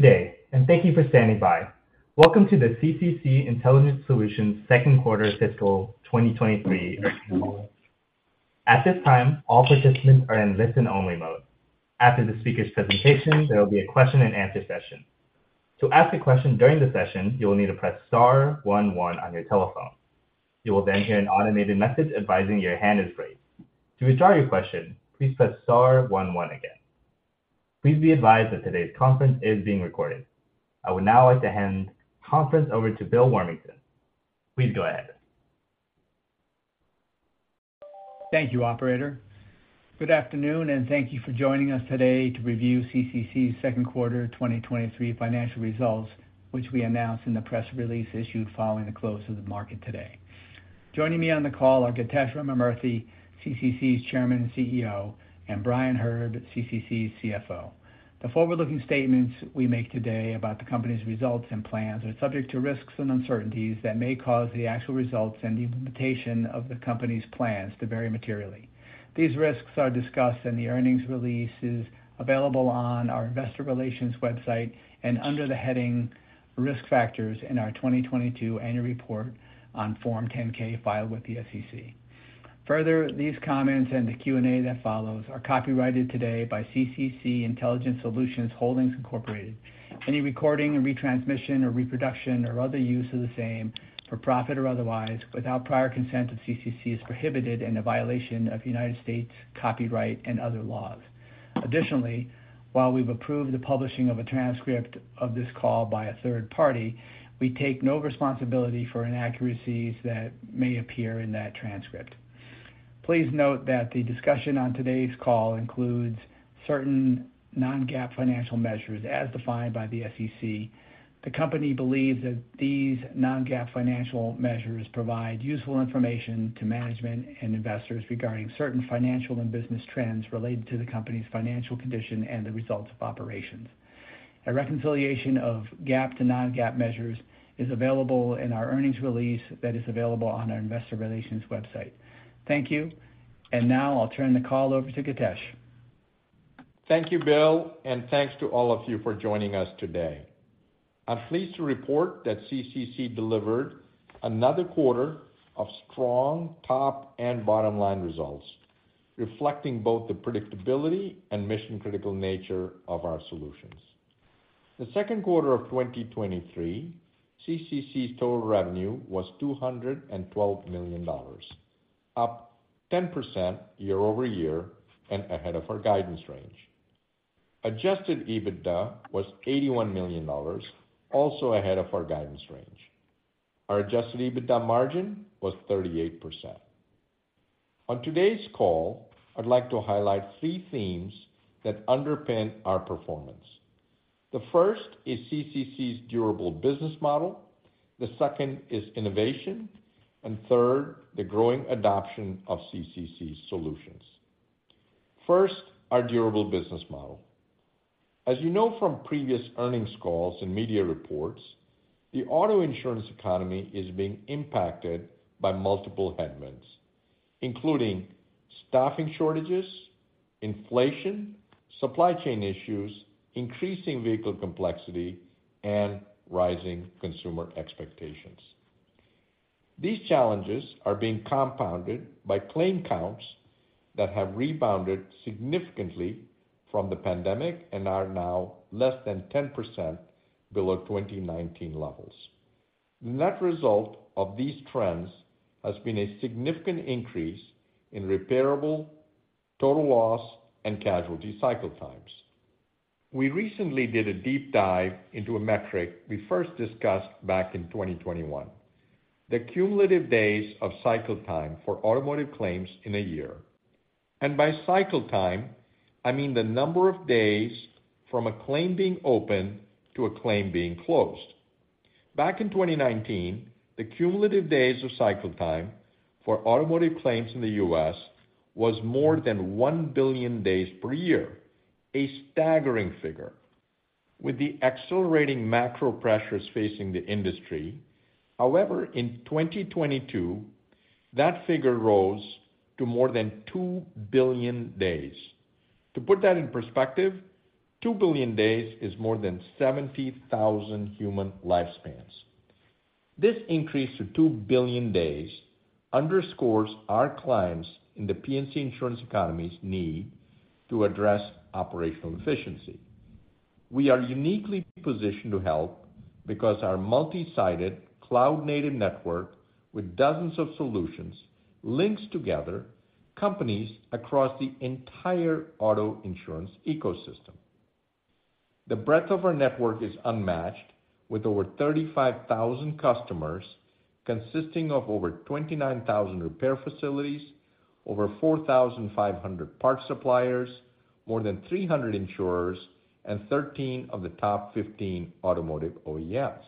Good day, and thank you for standing by. Welcome to the CCC Intelligent Solutions second quarter fiscal 2023. At this time, all participants are in listen-only mode. After the speaker's presentation, there will be a question-and-answer session. To ask a question during the session, you will need to press star one one on your telephone. You will then hear an automated message advising your hand is raised. To withdraw your question, please press star one one again. Please be advised that today's conference is being recorded. I would now like to hand the conference over to Bill Warmington. Please go ahead. Thank you, operator. Good afternoon, and thank you for joining us today to review CCC's second quarter 2023 financial results, which we announced in the press release issued following the close of the market today. Joining me on the call are Githesh Ramamurthy, CCC's chairman and CEO, and Brian Herb, CCC's CFO. The forward-looking statements we make today about the company's results and plans are subject to risks and uncertainties that may cause the actual results and the implementation of the company's plans to vary materially. These risks are discussed, and the earnings release is available on our investor relations website and under the heading Risk Factors in our 2022 annual report on Form 10-K filed with the SEC. Further, these comments and the Q&A that follows are copyrighted today by CCC Intelligent Solutions Holdings Inc. Any recording and retransmission or reproduction or other use of the same, for profit or otherwise, without prior consent of CCC, is prohibited and a violation of United States copyright and other laws. Additionally, while we've approved the publishing of a transcript of this call by a third party, we take no responsibility for inaccuracies that may appear in that transcript. Please note that the discussion on today's call includes certain non-GAAP financial measures as defined by the SEC. The company believes that these non-GAAP financial measures provide useful information to management and investors regarding certain financial and business trends related to the company's financial condition and the results of operations. A reconciliation of GAAP to non-GAAP measures is available in our earnings release that is available on our investor relations website. Thank you. Now I'll turn the call over to Githesh. Thank you, Bill, and thanks to all of you for joining us today. I'm pleased to report that CCC delivered another quarter of strong top and bottom-line results, reflecting both the predictability and mission-critical nature of our solutions. The second quarter of 2023, CCC's total revenue was $212 million, up 10% year-over-year and ahead of our guidance range. adjusted EBITDA was $81 million, also ahead of our guidance range. Our adjusted EBITDA margin was 38%. On today's call, I'd like to highlight three themes that underpin our performance. The first is CCC's durable business model, the second is innovation, and third, the growing adoption of CCC solutions. First, our durable business model. As you know from previous earnings calls and media reports, the auto insurance economy is being impacted by multiple headwinds, including staffing shortages, inflation, supply chain issues, increasing vehicle complexity, and rising consumer expectations. These challenges are being compounded by claim counts that have rebounded significantly from the pandemic and are now less than 10% below 2019 levels. The net result of these trends has been a significant increase in repairable, total loss, and casualty cycle times. We recently did a deep dive into a metric we first discussed back in 2021, the cumulative days of cycle time for automotive claims in a year. By cycle time, I mean the number of days from a claim being open to a claim being closed. Back in 2019, the cumulative days of cycle time for automotive claims in the U.S. was more than 1 billion days per year, a staggering figure. With the accelerating macro pressures facing the industry, however, in 2022, that figure rose to more than 2 billion days. To put that in perspective, 2 billion days is more than 70,000 human lifespans. This increase to 2 billion days underscores our clients in the P&C insurance economy's need to address operational efficiency. We are uniquely positioned to help because our multi-sided cloud-native network, with dozens of solutions, links together companies across the entire auto insurance ecosystem. The breadth of our network is unmatched, with over 35,000 customers, consisting of over 29,000 repair facilities, over 4,500 parts suppliers, more than 300 insurers, and 13 of the top 15 automotive OEMs.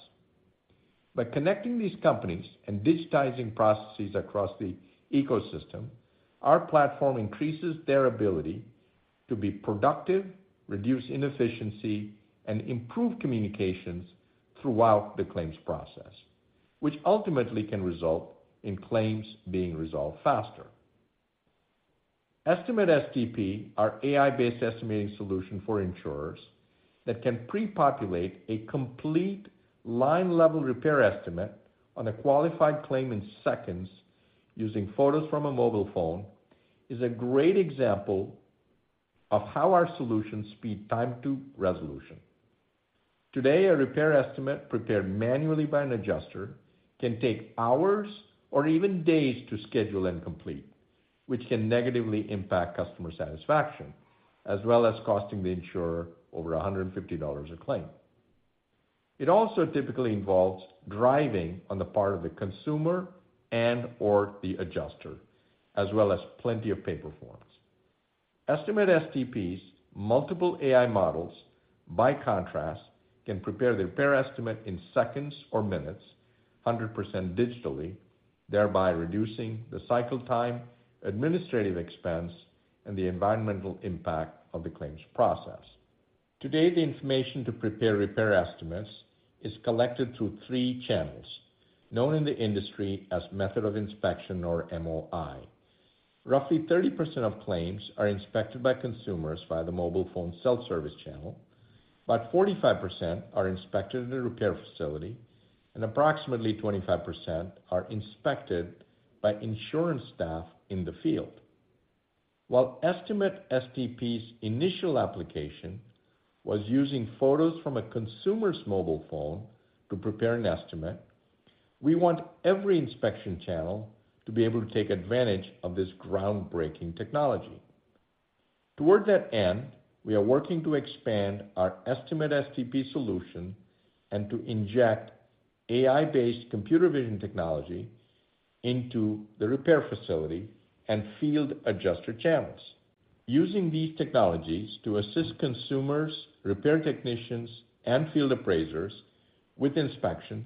By connecting these companies and digitizing processes across the ecosystem, our platform increases their ability to be productive, reduce inefficiency, and improve communications throughout the claims process, which ultimately can result in claims being resolved faster. Estimate-STP, our AI-based estimating solution for insurers, that can pre-populate a complete line-level repair estimate on a qualified claim in seconds using photos from a mobile phone, is a great example of how our solutions speed time to resolution. Today, a repair estimate prepared manually by an adjuster can take hours or even days to schedule and complete, which can negatively impact customer satisfaction, as well as costing the insurer over $150 a claim. It also typically involves driving on the part of the consumer and/or the adjuster, as well as plenty of paper forms. Estimate-STP's multiple AI models, by contrast, can prepare the repair estimate in seconds or minutes, 100% digitally, thereby reducing the cycle time, administrative expense, and the environmental impact of the claims process. Today, the information to prepare repair estimates is collected through three channels, known in the industry as method of inspection or MOI. Roughly 30% of claims are inspected by consumers via the mobile phone self-service channel, about 45% are inspected in a repair facility, and approximately 25% are inspected by insurance staff in the field. While Estimate-STP's initial application was using photos from a consumer's mobile phone to prepare an estimate, we want every inspection channel to be able to take advantage of this groundbreaking technology. Toward that end, we are working to expand our Estimate-STP solution and to inject AI-based computer vision technology into the repair facility and field adjuster channels. Using these technologies to assist consumers, repair technicians, and field appraisers with inspection,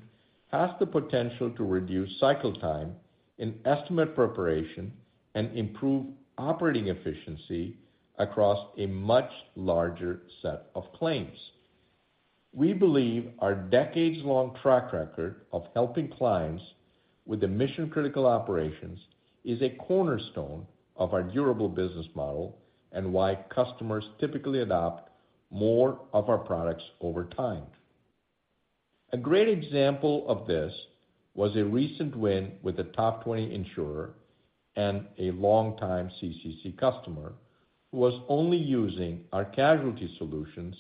has the potential to reduce cycle time in estimate preparation and improve operating efficiency across a much larger set of claims. We believe our decades-long track record of helping clients with the mission-critical operations is a cornerstone of our durable business model and why customers typically adopt more of our products over time. A great example of this was a recent win with a top 20 insurer and a longtime CCC customer, who was only using our casualty solutions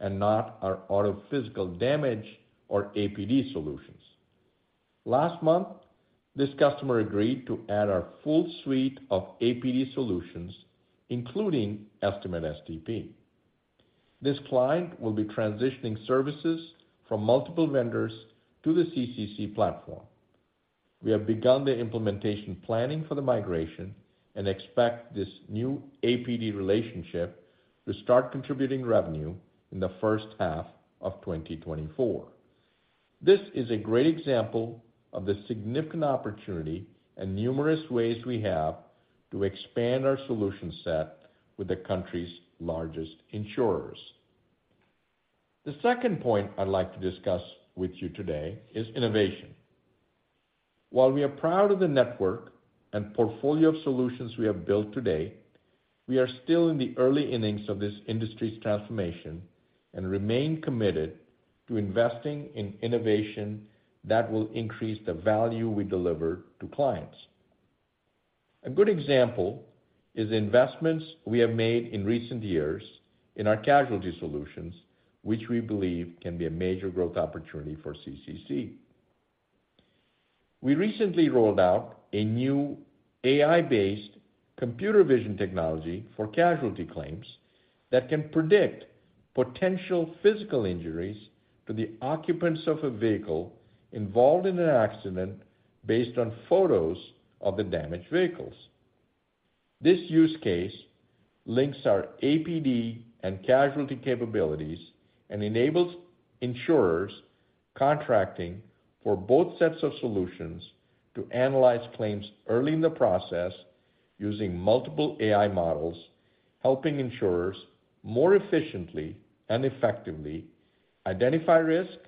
and not our Auto Physical Damage or APD solutions. Last month, this customer agreed to add our full suite of APD solutions, including Estimate-STP. This client will be transitioning services from multiple vendors to the CCC platform. We have begun the implementation planning for the migration and expect this new APD relationship to start contributing revenue in the first half of 2024. This is a great example of the significant opportunity and numerous ways we have to expand our solution set with the country's largest insurers. The second point I'd like to discuss with you today is innovation. While we are proud of the network and portfolio of solutions we have built today, we are still in the early innings of this industry's transformation and remain committed to investing in innovation that will increase the value we deliver to clients. A good example is the investments we have made in recent years in our casualty solutions, which we believe can be a major growth opportunity for CCC. We recently rolled out a new AI-based computer vision technology for casualty claims that can predict potential physical injuries to the occupants of a vehicle involved in an accident based on photos of the damaged vehicles. This use case links our APD and casualty capabilities and enables insurers contracting for both sets of solutions to analyze claims early in the process using multiple AI models, helping insurers more efficiently and effectively identify risk,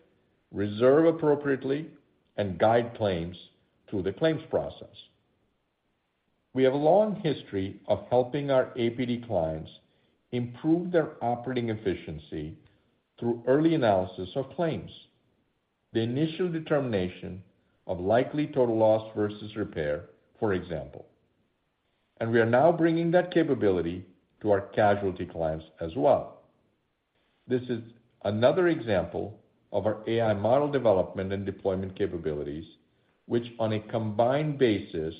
reserve appropriately, and guide claims through the claims process. We have a long history of helping our APD clients improve their operating efficiency through early analysis of claims, the initial determination of likely total loss versus repair, for example, and we are now bringing that capability to our casualty clients as well. This is another example of our AI model development and deployment capabilities, which on a combined basis,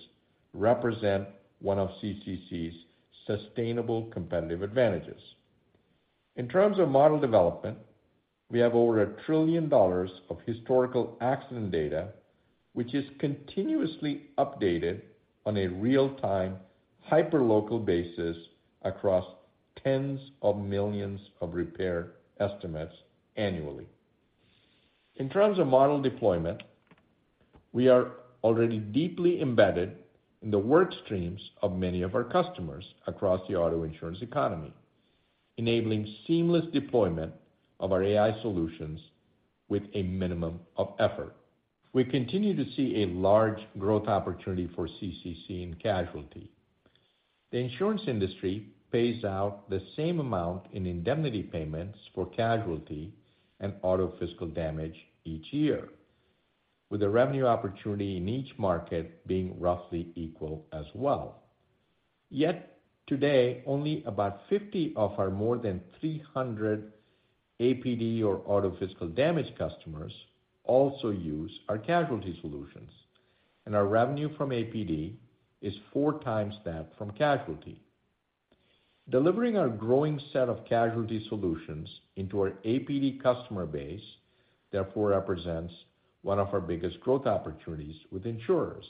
represent one of CCC's sustainable competitive advantages. In terms of model development, we have over $1 trillion of historical accident data, which is continuously updated on a real-time, hyperlocal basis across tens of millions of repair estimates annually. In terms of model deployment, we are already deeply embedded in the work streams of many of our customers across the auto insurance economy enabling seamless deployment of our AI solutions with a minimum of effort. We continue to see a large growth opportunity for CCC in Casualty. The insurance industry pays out the same amount in indemnity payments for Casualty and Auto Physical Damage each year, with the revenue opportunity in each market being roughly equal as well. Yet today, only about 50 of our more than 300 APD or Auto Physical Damage customers also use our Casualty solutions, and our revenue from APD is 4x that from Casualty. Delivering our growing set of casualty solutions into our APD customer base, therefore, represents one of our biggest growth opportunities with insurers.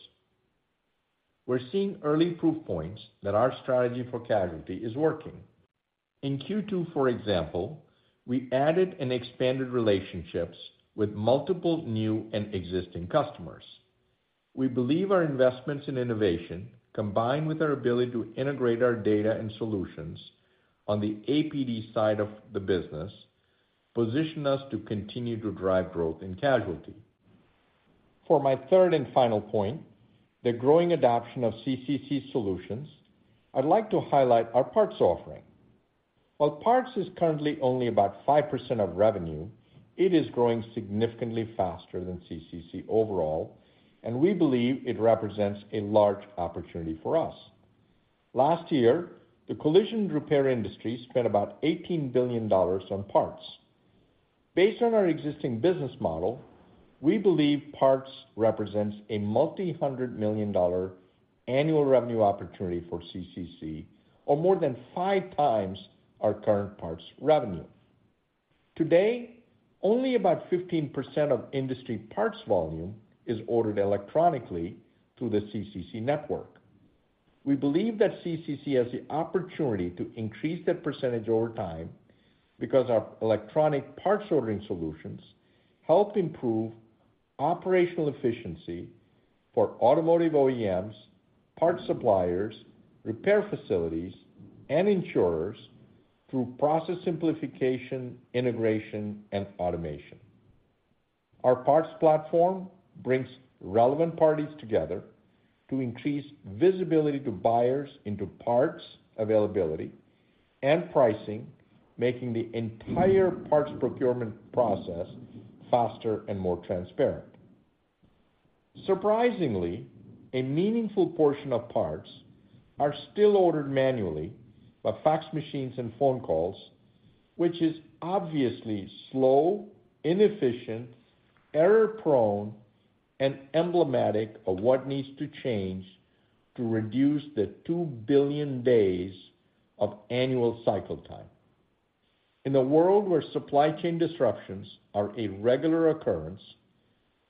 We're seeing early proof points that our strategy for casualty is working. In Q2, for example, we added and expanded relationships with multiple new and existing customers. We believe our investments in innovation, combined with our ability to integrate our data and solutions on the APD side of the business, position us to continue to drive growth in casualty. For my third and final point, the growing adoption of CCC solutions, I'd like to highlight our parts offering. While parts is currently only about 5% of revenue, it is growing significantly faster than CCC overall, and we believe it represents a large opportunity for us. Last year, the collision repair industry spent about $18 billion on parts. Based on our existing business model, we believe parts represents a multi-hundred million dollar annual revenue opportunity for CCC, or more than 5x our current parts revenue. Today, only about 15% of industry parts volume is ordered electronically through the CCC network. We believe that CCC has the opportunity to increase that percentage over time, because our electronic parts ordering solutions help improve operational efficiency for automotive OEMs, parts suppliers, repair facilities, and insurers through process simplification, integration, and automation. Our parts platform brings relevant parties together to increase visibility to buyers into parts availability and pricing, making the entire parts procurement process faster and more transparent. Surprisingly, a meaningful portion of parts are still ordered manually, by fax machines and phone calls, which is obviously slow, inefficient, error-prone, and emblematic of what needs to change to reduce the 2 billion days of annual cycle time. In a world where supply chain disruptions are a regular occurrence,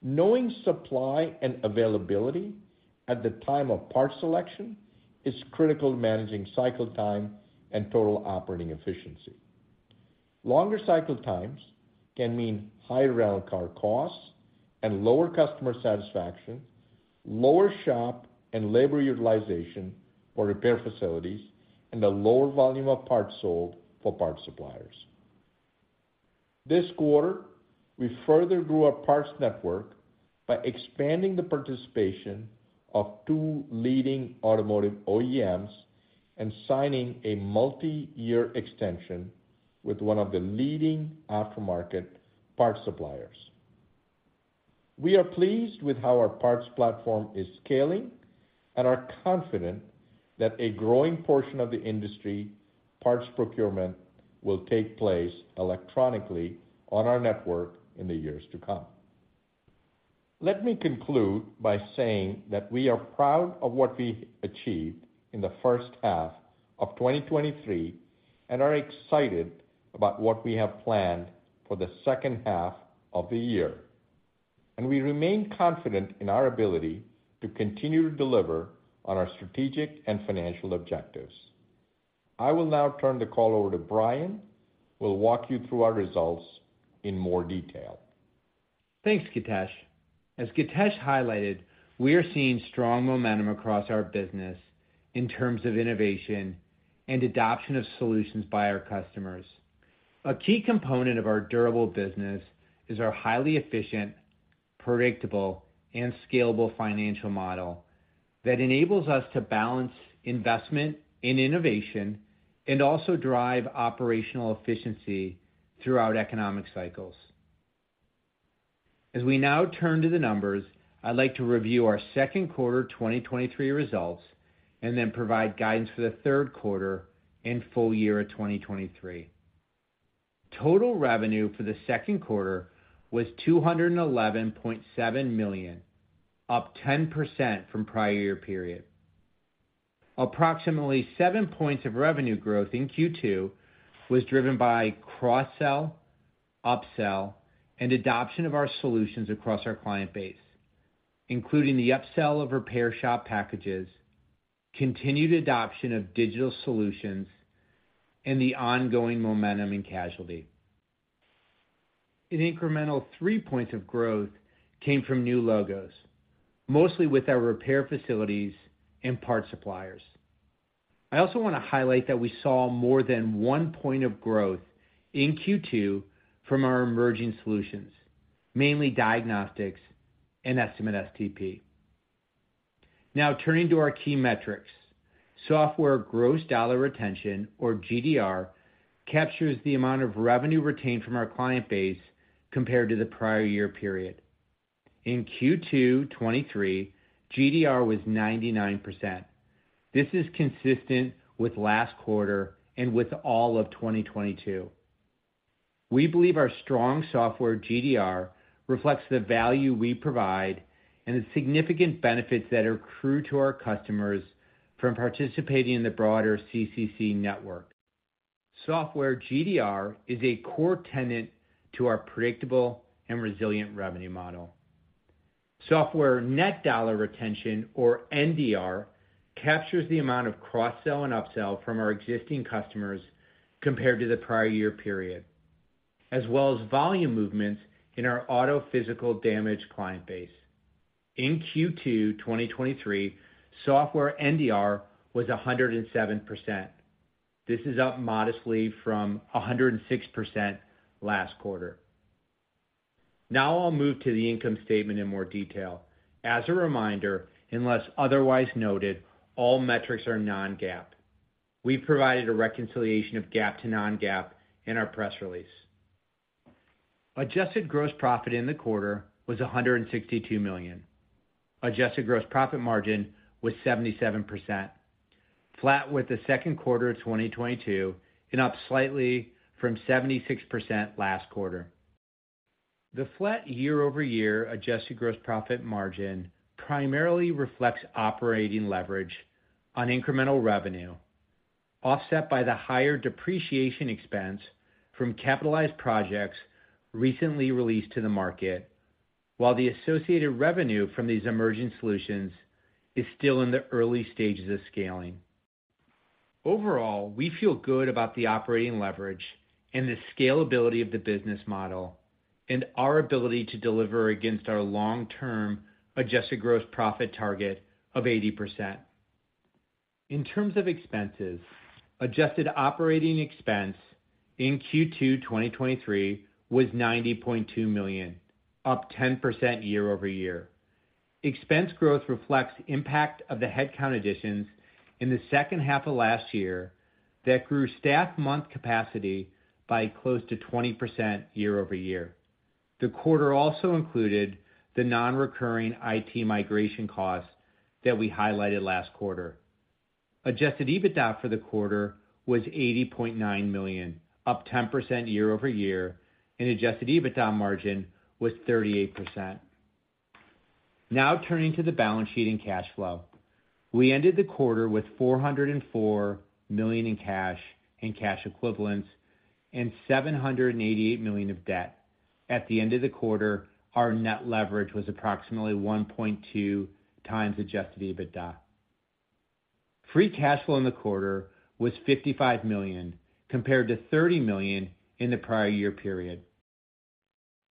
knowing supply and availability at the time of parts selection is critical to managing cycle time and total operating efficiency. Longer cycle times can mean higher rental car costs and lower customer satisfaction, lower shop and labor utilization for repair facilities, and a lower volume of parts sold for parts suppliers. This quarter, we further grew our parts network by expanding the participation of two leading automotive OEMs and signing a multi-year extension with one of the leading aftermarket parts suppliers. We are pleased with how our parts platform is scaling and are confident that a growing portion of the industry parts procurement will take place electronically on our network in the years to come. Let me conclude by saying that we are proud of what we achieved in the first half of 2023, and are excited about what we have planned for the second half of the year. We remain confident in our ability to continue to deliver on our strategic and financial objectives. I will now turn the call over to Brian, who will walk you through our results in more detail. Thanks, Githesh. As Githesh highlighted, we are seeing strong momentum across our business in terms of innovation and adoption of solutions by our customers. A key component of our durable business is our highly efficient, predictable, and scalable financial model that enables us to balance investment in innovation and also drive operational efficiency throughout economic cycles. As we now turn to the numbers, I'd like to review our second quarter 2023 results and then provide guidance for the third quarter and full year of 2023. Total revenue for the second quarter was $211.7 million, up 10% from prior year period. Approximately 7 points of revenue growth in Q2 was driven by cross-sell, upsell, and adoption of our solutions across our client base, including the upsell of repair shop packages, continued adoption of digital solutions, and the ongoing momentum in casualty. An incremental 3 points of growth came from new logos, mostly with our repair facilities and parts suppliers. I also wanna highlight that we saw more than 1 point of growth in Q2 from our emerging solutions, mainly diagnostics and Estimate-STP. Turning to our key metrics. Software gross dollar retention, or GDR, captures the amount of revenue retained from our client base compared to the prior year period. In Q2 2023, GDR was 99%. This is consistent with last quarter and with all of 2022. We believe our strong software GDR reflects the value we provide and the significant benefits that accrue to our customers from participating in the broader CCC network. Software GDR is a core tenet to our predictable and resilient revenue model. Software net dollar retention, or NDR, captures the amount of cross-sell and upsell from our existing customers compared to the prior year period, as well as volume movements in our Auto Physical Damage client base. In Q2, 2023, software NDR was 107%. This is up modestly from 106% last quarter. I'll move to the income statement in more detail. As a reminder, unless otherwise noted, all metrics are non-GAAP. We provided a reconciliation of GAAP to non-GAAP in our press release. Adjusted gross profit in the quarter was $162 million. Adjusted gross profit margin was 77%, flat with the second quarter of 2022, and up slightly from 76% last quarter. The flat year-over-year adjusted gross profit margin primarily reflects operating leverage on incremental revenue, offset by the higher depreciation expense from capitalized projects recently released to the market, while the associated revenue from these emerging solutions is still in the early stages of scaling. Overall, we feel good about the operating leverage and the scalability of the business model, and our ability to deliver against our long-term adjusted gross profit target of 80%. In terms of expenses, adjusted operating expense in Q2 2023 was $90.2 million, up 10% year-over-year. Expense growth reflects impact of the headcount additions in the second half of last year that grew staff month capacity by close to 20% year-over-year. The quarter also included the nonrecurring IT migration costs that we highlighted last quarter. Adjusted EBITDA for the quarter was $80.9 million, up 10% year-over-year. Adjusted EBITDA margin was 38%. Now turning to the balance sheet and cash flow. We ended the quarter with $404 million in cash and cash equivalents and $788 million of debt. At the end of the quarter, our net leverage was approximately 1.2x adjusted EBITDA. Free cash flow in the quarter was $55 million, compared to $30 million in the prior year period.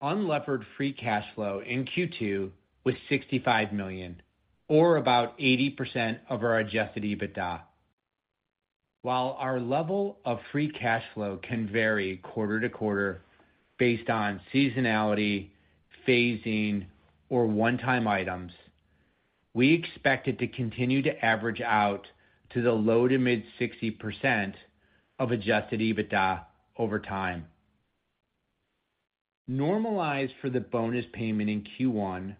Unlevered free cash flow in Q2 was $65 million, or about 80% of our adjusted EBITDA. While our level of free cash flow can vary quarter-to-quarter based on seasonality, phasing, or one-time items, we expect it to continue to average out to the low to mid 60% of adjusted EBITDA over time. Normalized for the bonus payment in Q1,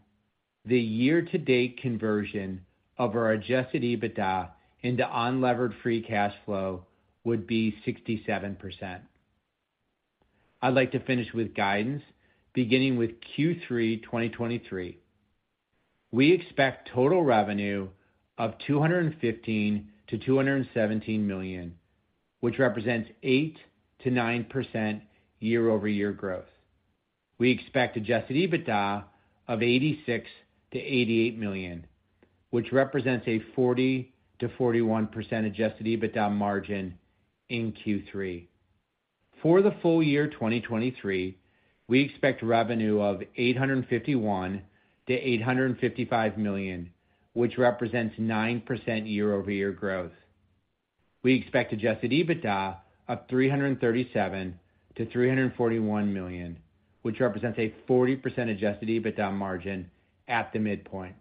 the year-to-date conversion of our adjusted EBITDA into unlevered free cash flow would be 67%. I'd like to finish with guidance, beginning with Q3 2023. We expect total revenue of $215 million-$217 million, which represents 8%-9% year-over-year growth. We expect adjusted EBITDA of $86 million-$88 million, which represents a 40%-41% adjusted EBITDA margin in Q3. For the full year 2023, we expect revenue of $851 million-$855 million, which represents 9% year-over-year growth. We expect adjusted EBITDA of $337 million-$341 million, which represents a 40% adjusted EBITDA margin at the midpoint.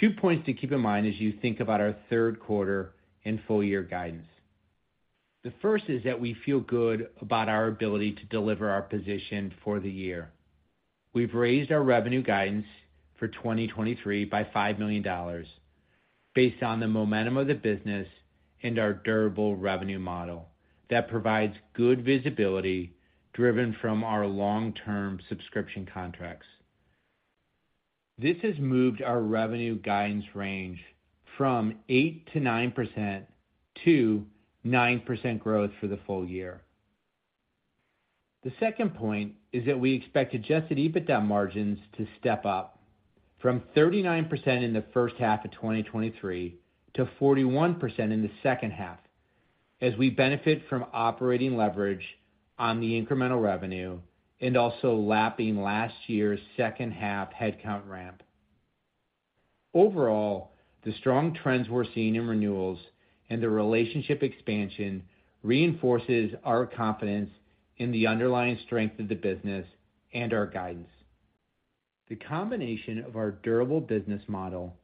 Two points to keep in mind as you think about our third quarter and full year guidance. The first is that we feel good about our ability to deliver our position for the year. We've raised our revenue guidance for 2023 by $5 million based on the momentum of the business and our durable revenue model that provides good visibility, driven from our long-term subscription contracts. This has moved our revenue guidance range from 8%-9% to 9% growth for the full year. The second point is that we expect adjusted EBITDA margins to step up from 39% in the first half of 2023 to 41% in the second half, as we benefit from operating leverage on the incremental revenue and also lapping last year's second half headcount ramp. Overall, the strong trends we're seeing in renewals and the relationship expansion reinforces our confidence in the underlying strength of the business and our guidance. The combination of our durable business model,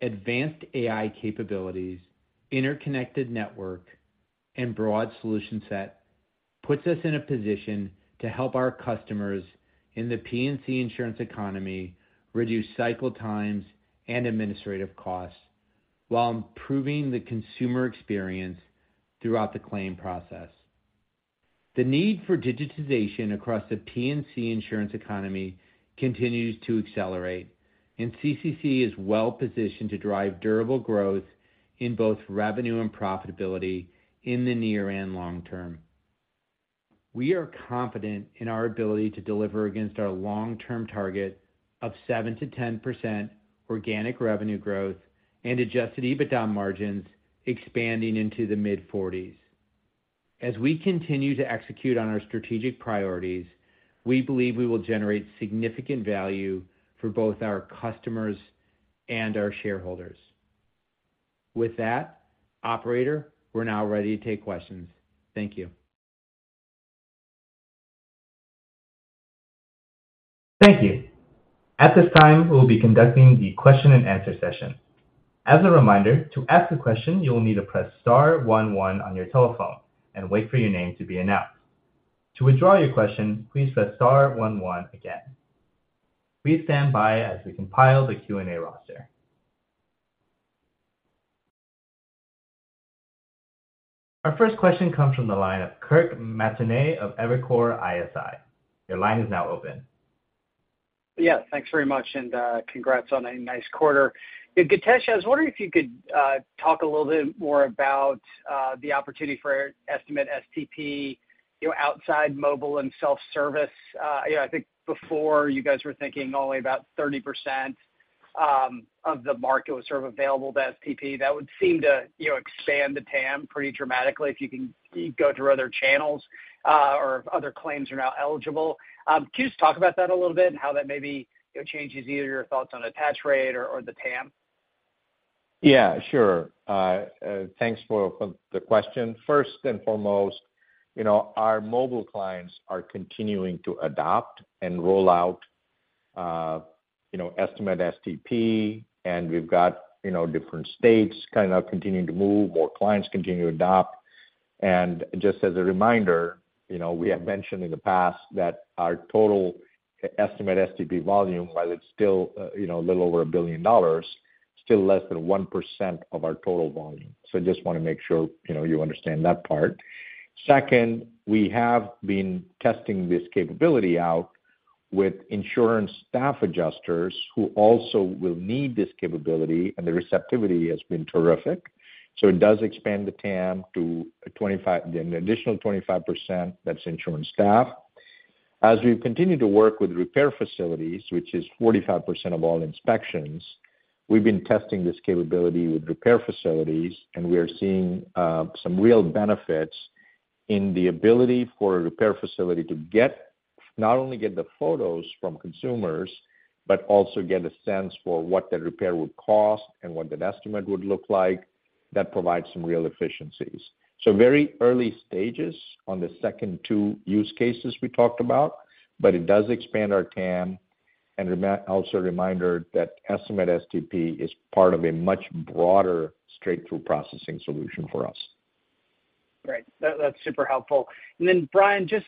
advanced AI capabilities, interconnected network, and broad solution set puts us in a position to help our customers in the P&C insurance economy reduce cycle times and administrative costs, while improving the consumer experience throughout the claim process. The need for digitization across the P&C insurance economy continues to accelerate. CCC is well positioned to drive durable growth in both revenue and profitability in the near and long term. We are confident in our ability to deliver against our long-term target of 7%-10% organic revenue growth and adjusted EBITDA margins expanding into the mid-40s. As we continue to execute on our strategic priorities, we believe we will generate significant value for both our customers and our shareholders. With that, operator, we're now ready to take questions. Thank you. Thank you. At this time, we'll be conducting the question-and-answer session. As a reminder, to ask a question, you will need to press star one one on your telephone and wait for your name to be announced. To withdraw your question, please press star one one again. Please stand by as we compile the Q&A roster. Our first question comes from the line of Kirk Materne of Evercore ISI. Your line is now open. Yeah, thanks very much, and congrats on a nice quarter. Githesh, I was wondering if you could talk a little bit more about the opportunity for Estimate-STP, you know, outside mobile and self-service. You know, I think before you guys were thinking only about 30% of the market was sort of available to STP. That would seem to, you know, expand the TAM pretty dramatically if you can go through other channels, or if other claims are now eligible. Can you just talk about that a little bit and how that maybe, you know, changes either your thoughts on attach rate or, or the TAM? Yeah, sure. thanks for the question. First and foremost, you know, our mobile clients are continuing to adopt and roll out, you know, Estimate-STP, and we've got, you know, different states kind of continuing to move, more clients continuing to adopt. Just as a reminder, you know, we have mentioned in the past that our total Estimate-STP volume, while it's still, you know, a little over $1 billion, still less than 1% of our total volume. Just want to make sure, you know, you understand that part. Second, we have been testing this capability out with insurance staff adjusters, who also will need this capability, and the receptivity has been terrific. It does expand the TAM to 25%, an additional 25%, that's insurance staff. As we continue to work with repair facilities, which is 45% of all inspections, we've been testing this capability with repair facilities, and we are seeing some real benefits in the ability for a repair facility to get, not only get the photos from consumers, but also get a sense for what the repair would cost and what that estimate would look like. That provides some real efficiencies. Very early stages on the second two use cases we talked about, but it does expand our TAM, also a reminder that Estimate-STP is part of a much broader straight-through processing solution for us. Great. That, that's super helpful. Brian, just,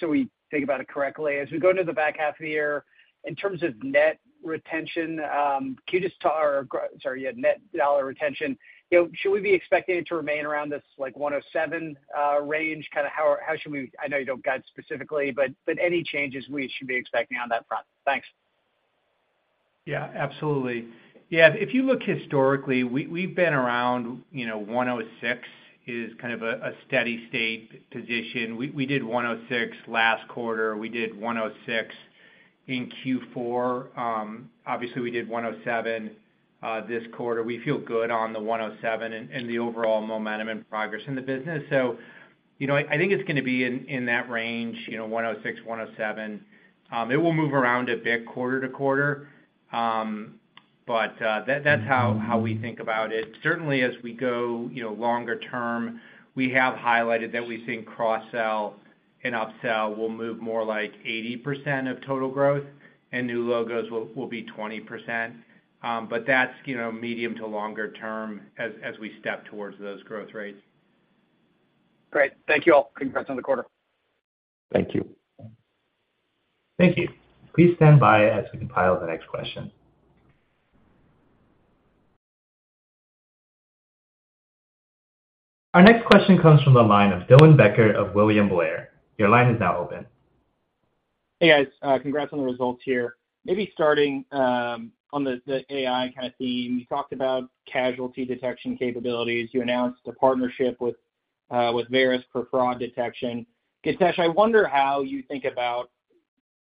so we think about it correctly, as we go into the back half of the year, in terms of net retention, can you just talk or, sorry, net dollar retention, you know, should we be expecting it to remain around this, like, 107% range? Kind of how, how should we, I know you don't guide specifically, but, but any changes we should be expecting on that front? Thanks. Yeah, absolutely. Yeah, if you look historically, we, we've been around, you know, 106 is kind of a, a steady state position. We, we did 106 last quarter. We did 106 in Q4. Obviously, we did 107 this quarter. We feel good on the 107 and, and the overall momentum and progress in the business. I think it's gonna be in that range, you know, 106, 107. It will move around a bit quarter-to-quarter, but that's how we think about it. Certainly, as we go, you know, longer term, we have highlighted that we think cross-sell and upsell will move more like 80% of total growth and new logos will, will be 20%. That's, you know, medium to longer term as, as we step towards those growth rates. Great. Thank you all. Congrats on the quarter. Thank you. Thank you. Please stand by as we compile the next question. Our next question comes from the line of Dylan Becker of William Blair. Your line is now open. Hey, guys, congrats on the results here. Maybe starting on the, the AI kind of theme. You talked about casualty detection capabilities. You announced a partnership with Verisk for fraud detection. Githesh, I wonder how you think about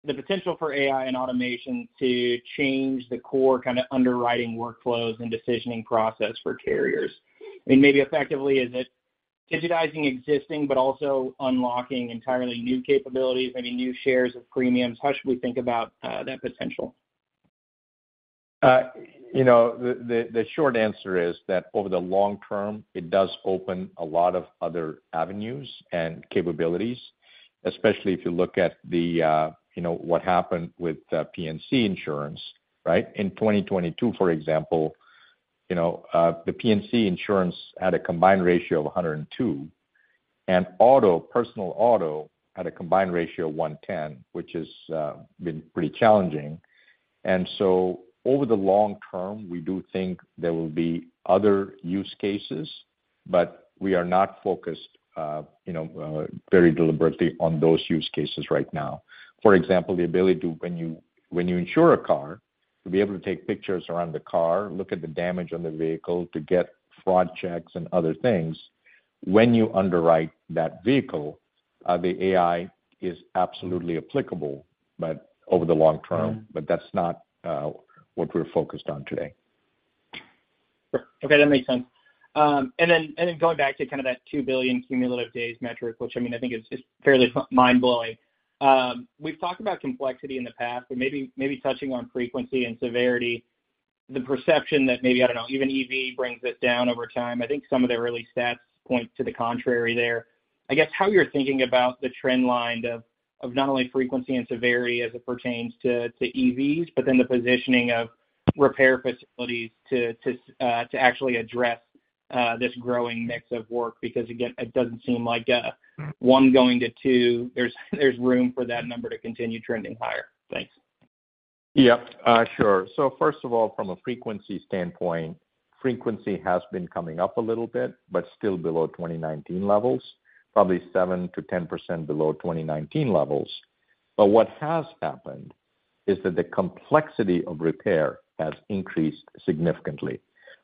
the potential for AI and automation to change the core kind of underwriting workflows and decisioning process for carriers. I mean, maybe effectively, is it digitizing existing, but also unlocking entirely new capabilities, maybe new shares of premiums? How should we think about that potential? You know, the, the, the short answer is that over the long term, it does open a lot of other avenues and capabilities, especially if you look at the, you know, what happened with P&C insurance, right? In 2022, for example, you know, the P&C insurance had a combined ratio of 102, and auto, personal auto, had a combined ratio of 110, which has been pretty challenging. Over the long term, we do think there will be other use cases, but we are not focused, you know, very deliberately on those use cases right now. For example, the ability to, when you, when you insure a car, to be able to take pictures around the car, look at the damage on the vehicle, to get fraud checks and other things. When you underwrite that vehicle, the AI is absolutely applicable, but over the long term. Mm-hmm. That's not what we're focused on today. Sure. Okay, that makes sense. Then, and then going back to kind of that 2 billion cumulative days metric, which I mean, I think is, is fairly mind-blowing. We've talked about complexity in the past, but maybe, maybe touching on frequency and severity, the perception that maybe, I don't know, even EV brings it down over time. I think some of the early stats point to the contrary there. I guess how you're thinking about the trend line of, of not only frequency and severity as it pertains to, to EVs, but then the positioning of repair facilities to, to actually address this growing mix of work, because again, it doesn't seem like one going to two, there's there's room for that number to continue trending higher. Thanks. Yeah, sure. First of all, from a frequency standpoint, frequency has been coming up a little bit, but still below 2019 levels, probably 7%-10% below 2019 levels. What has happened is that the complexity of repair has increased significantly.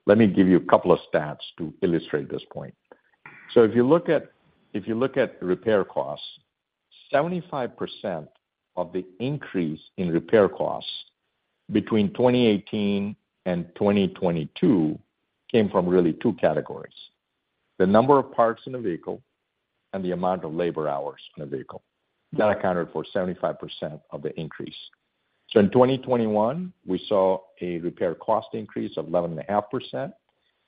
Let me give you a couple of stats to illustrate this point. If you look at repair costs, 75% of the increase in repair costs between 2018 and 2022 came from really two categories: the number of parts in a vehicle and the amount of labor hours in a vehicle. That accounted for 75% of the increase. In 2021, we saw a repair cost increase of 11.5%.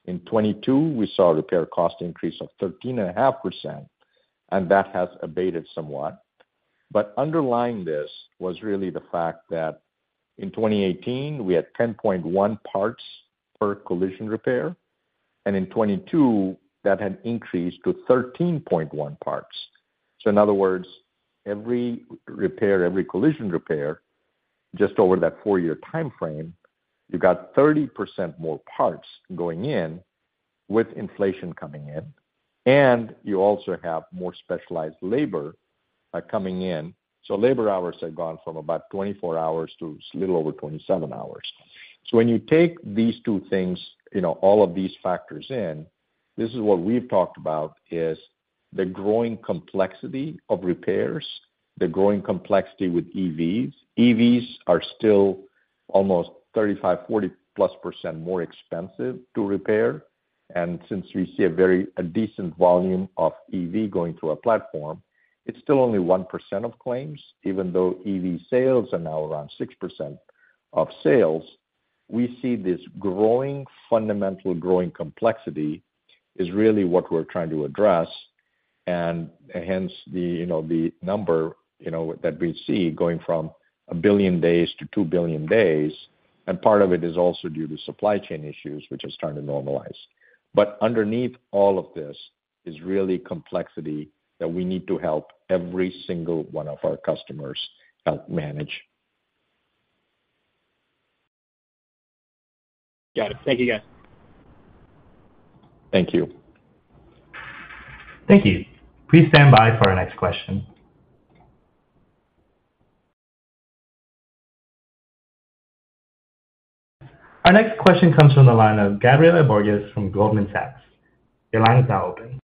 In 2022, we saw a repair cost increase of 13.5%, and that has abated somewhat. Underlying this was really the fact that in 2018, we had 10.1 parts per collision repair, and in 2022, that had increased to 13.1 parts. In other words, every repair, every collision repair, just over that four-year timeframe, you got 30% more parts going in with inflation coming in, and you also have more specialized labor coming in. Labor hours have gone from about 24 hours to a little over 27 hours. When you take these two things, you know, all of these factors in, this is what we've talked about, is the growing complexity of repairs, the growing complexity with EVs. EVs are still almost 35%, 40%+ more expensive to repair. Since we see a very decent volume of EV going through our platform, it's still only 1% of claims, even though EV sales are now around 6% of sales. We see this growing, fundamental growing complexity is really what we're trying to address. Hence the, you know, the number, you know, that we see going from 1 billion days to 2 billion days. Part of it is also due to supply chain issues, which are starting to normalize. Underneath all of this is really complexity that we need to help every single one of our customers help manage. Got it. Thank you, guys. Thank you. Thank you. Please stand by for our next question. Our next question comes from the line of Gabriela Borges from Goldman Sachs. Your line is now open.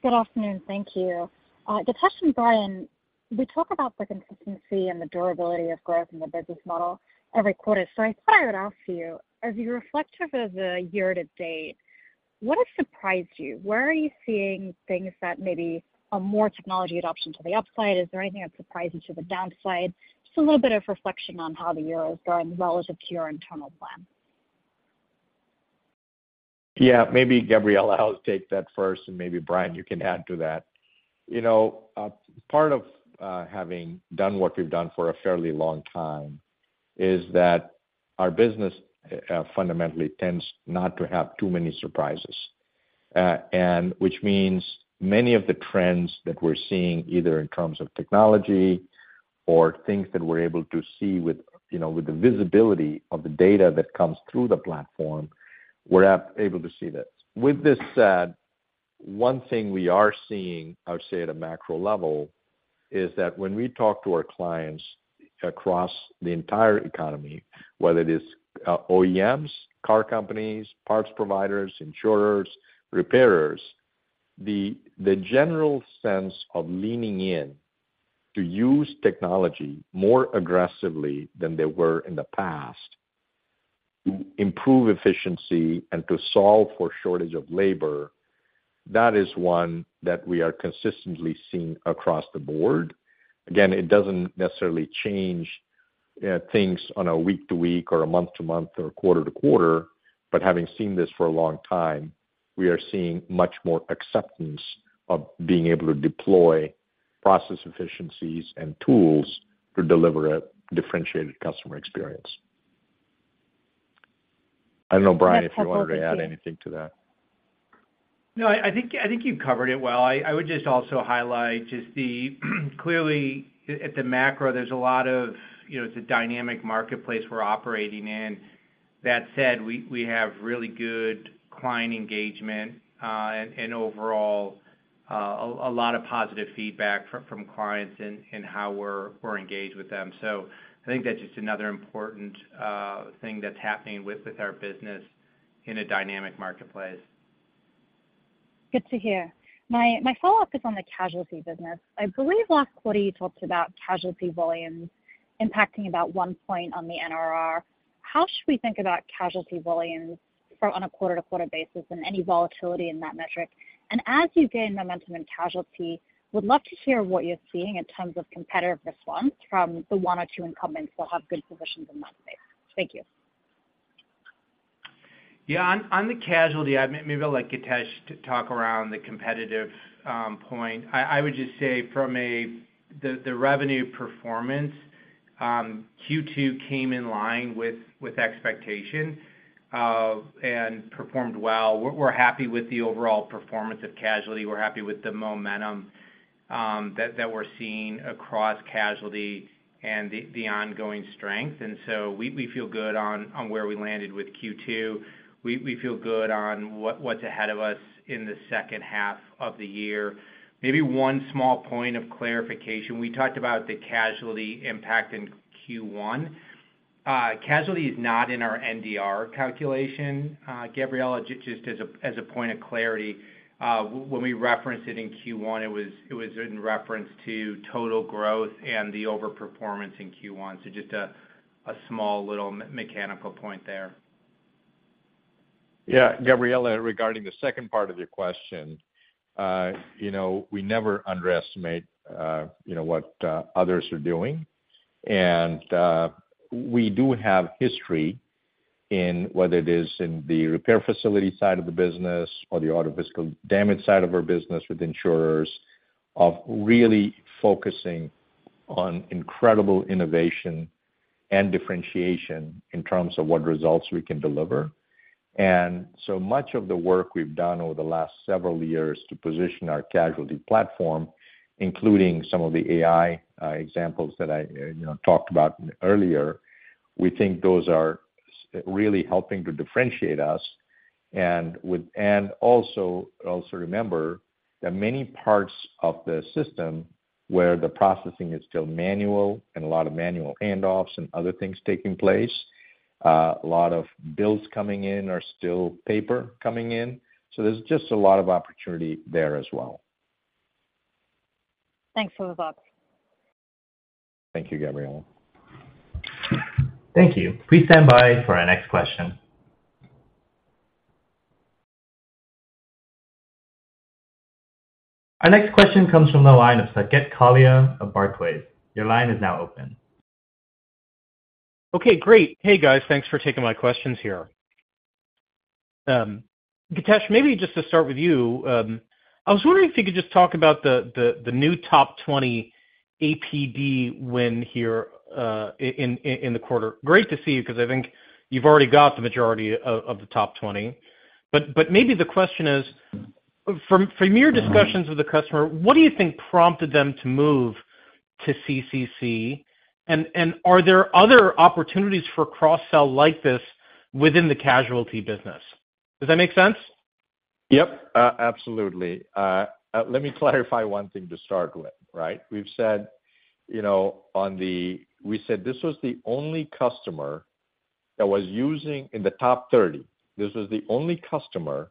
Good afternoon. Thank you. Githesh and Brian, we talk about the consistency and the durability of growth in the business model every quarter. So I thought I would ask you, as you reflect over the year to date, what has surprised you? Where are you seeing things that maybe are more technology adoption to the upside? Is there anything that surprises you to the downside? Just a little bit of reflection on how the year has gone, as well as to your internal plan. Yeah, maybe Gabriela, I'll take that first, and maybe, Brian, you can add to that. You know, part of, having done what we've done for a fairly long time is that our business, fundamentally tends not to have too many surprises. Which means many of the trends that we're seeing, either in terms of technology or things that we're able to see with, you know, with the visibility of the data that comes through the platform, we're able to see that. With this said, one thing we are seeing, I would say, at a macro level. is that when we talk to our clients across the entire economy, whether it is, OEMs, car companies, parts providers, insurers, repairers, the, the general sense of leaning in to use technology more aggressively than they were in the past, to improve efficiency and to solve for shortage of labor, that is one that we are consistently seeing across the board. Again, it doesn't necessarily change, things on a week to week or a month to month or a quarter to quarter, but having seen this for a long time, we are seeing much more acceptance of being able to deploy process efficiencies and tools to deliver a differentiated customer experience. I don't know, Brian, if you wanted to add anything to that. No, I think, I think you've covered it well. I would just also highlight just the, clearly at the macro, there's a lot of, you know, it's a dynamic marketplace we're operating in. That said, we have really good client engagement, and overall, a lot of positive feedback from clients and how we're engaged with them. I think that's just another important thing that's happening with our business in a dynamic marketplace. Good to hear. My, my follow-up is on the casualty business. I believe last quarter you talked about casualty volumes impacting about 1 point on the NRR. How should we think about casualty volumes for on a quarter-to-quarter basis and any volatility in that metric? As you gain momentum in casualty, would love to hear what you're seeing in terms of competitive response from the 1 or 2 incumbents who have good positions in that space. Thank you. Yeah, on, on the casualty, maybe I'd like Githesh to talk around the competitive point. I would just say from the revenue performance, Q2 came in line with expectation and performed well. We're happy with the overall performance of casualty. We're happy with the momentum that we're seeing across casualty and the ongoing strength, we feel good on where we landed with Q2. We feel good on what's ahead of us in the second half of the year. Maybe one small point of clarification. We talked about the casualty impact in Q1. Casualty is not in our NDR calculation. Gabriella, just as a, as a point of clarity, when we referenced it in Q1, it was, it was in reference to total growth and the overperformance in Q1. Just a, a small little mechanical point there. Yeah, Gabriella, regarding the second part of your question, you know, we never underestimate, you know, what others are doing. We do have history in whether it is in the repair facility side of the business or the Auto Physical Damage side of our business with insurers, of really focusing on incredible innovation and differentiation in terms of what results we can deliver. So much of the work we've done over the last several years to position our casualty platform, including some of the AI examples that I, you know, talked about earlier, we think those are really helping to differentiate us. Also, also remember that many parts of the system where the processing is still manual, and a lot of manual handoffs and other things taking place, a lot of bills coming in are still paper coming in, so there's just a lot of opportunity there as well. Thanks for those, Bob. Thank you, Gabriella. Thank you. Please stand by for our next question. Our next question comes from the line of Saket Kalia of Barclays. Your line is now open. Okay, great. Hey, guys. Thanks for taking my questions here. Githesh, maybe just to start with you, I was wondering if you could just talk about the, the, the new top 20 APD win here, in, in, in the quarter. Great to see you, 'cause I think you've already got the majority of, of the top 20. But maybe the question is, from, from your discussions with the customer, what do you think prompted them to move to CCC, and are there other opportunities for cross-sell like this within the casualty business? Does that make sense? Yep, absolutely. Let me clarify one thing to start with, right? We've said, you know, on the we said this was the only customer that was using. In the top 30, this was the only customer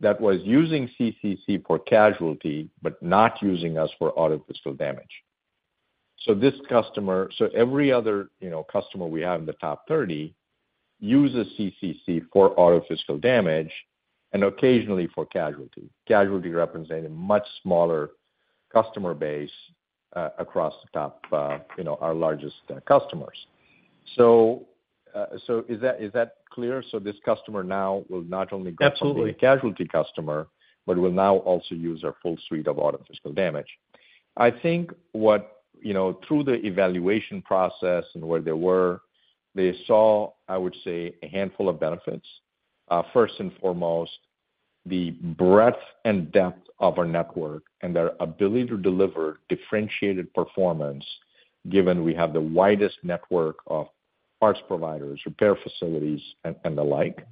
that was using CCC for casualty, but not using us for Auto Physical Damage. This customer every other, you know, customer we have in the top 30 uses CCC for Auto Physical Damage and occasionally for casualty. Casualty representing a much smaller customer base across the top, you know, our largest customers. Is that, is that clear? This customer now will not only be Absolutely. a casualty customer, but will now also use our full suite of Auto Physical Damage. I think what, you know, through the evaluation process and where they were, they saw, I would say, a handful of benefits. First and foremost, the breadth and depth of our network and our ability to deliver differentiated performance, given we have the widest network of parts providers, repair facilities, and the like.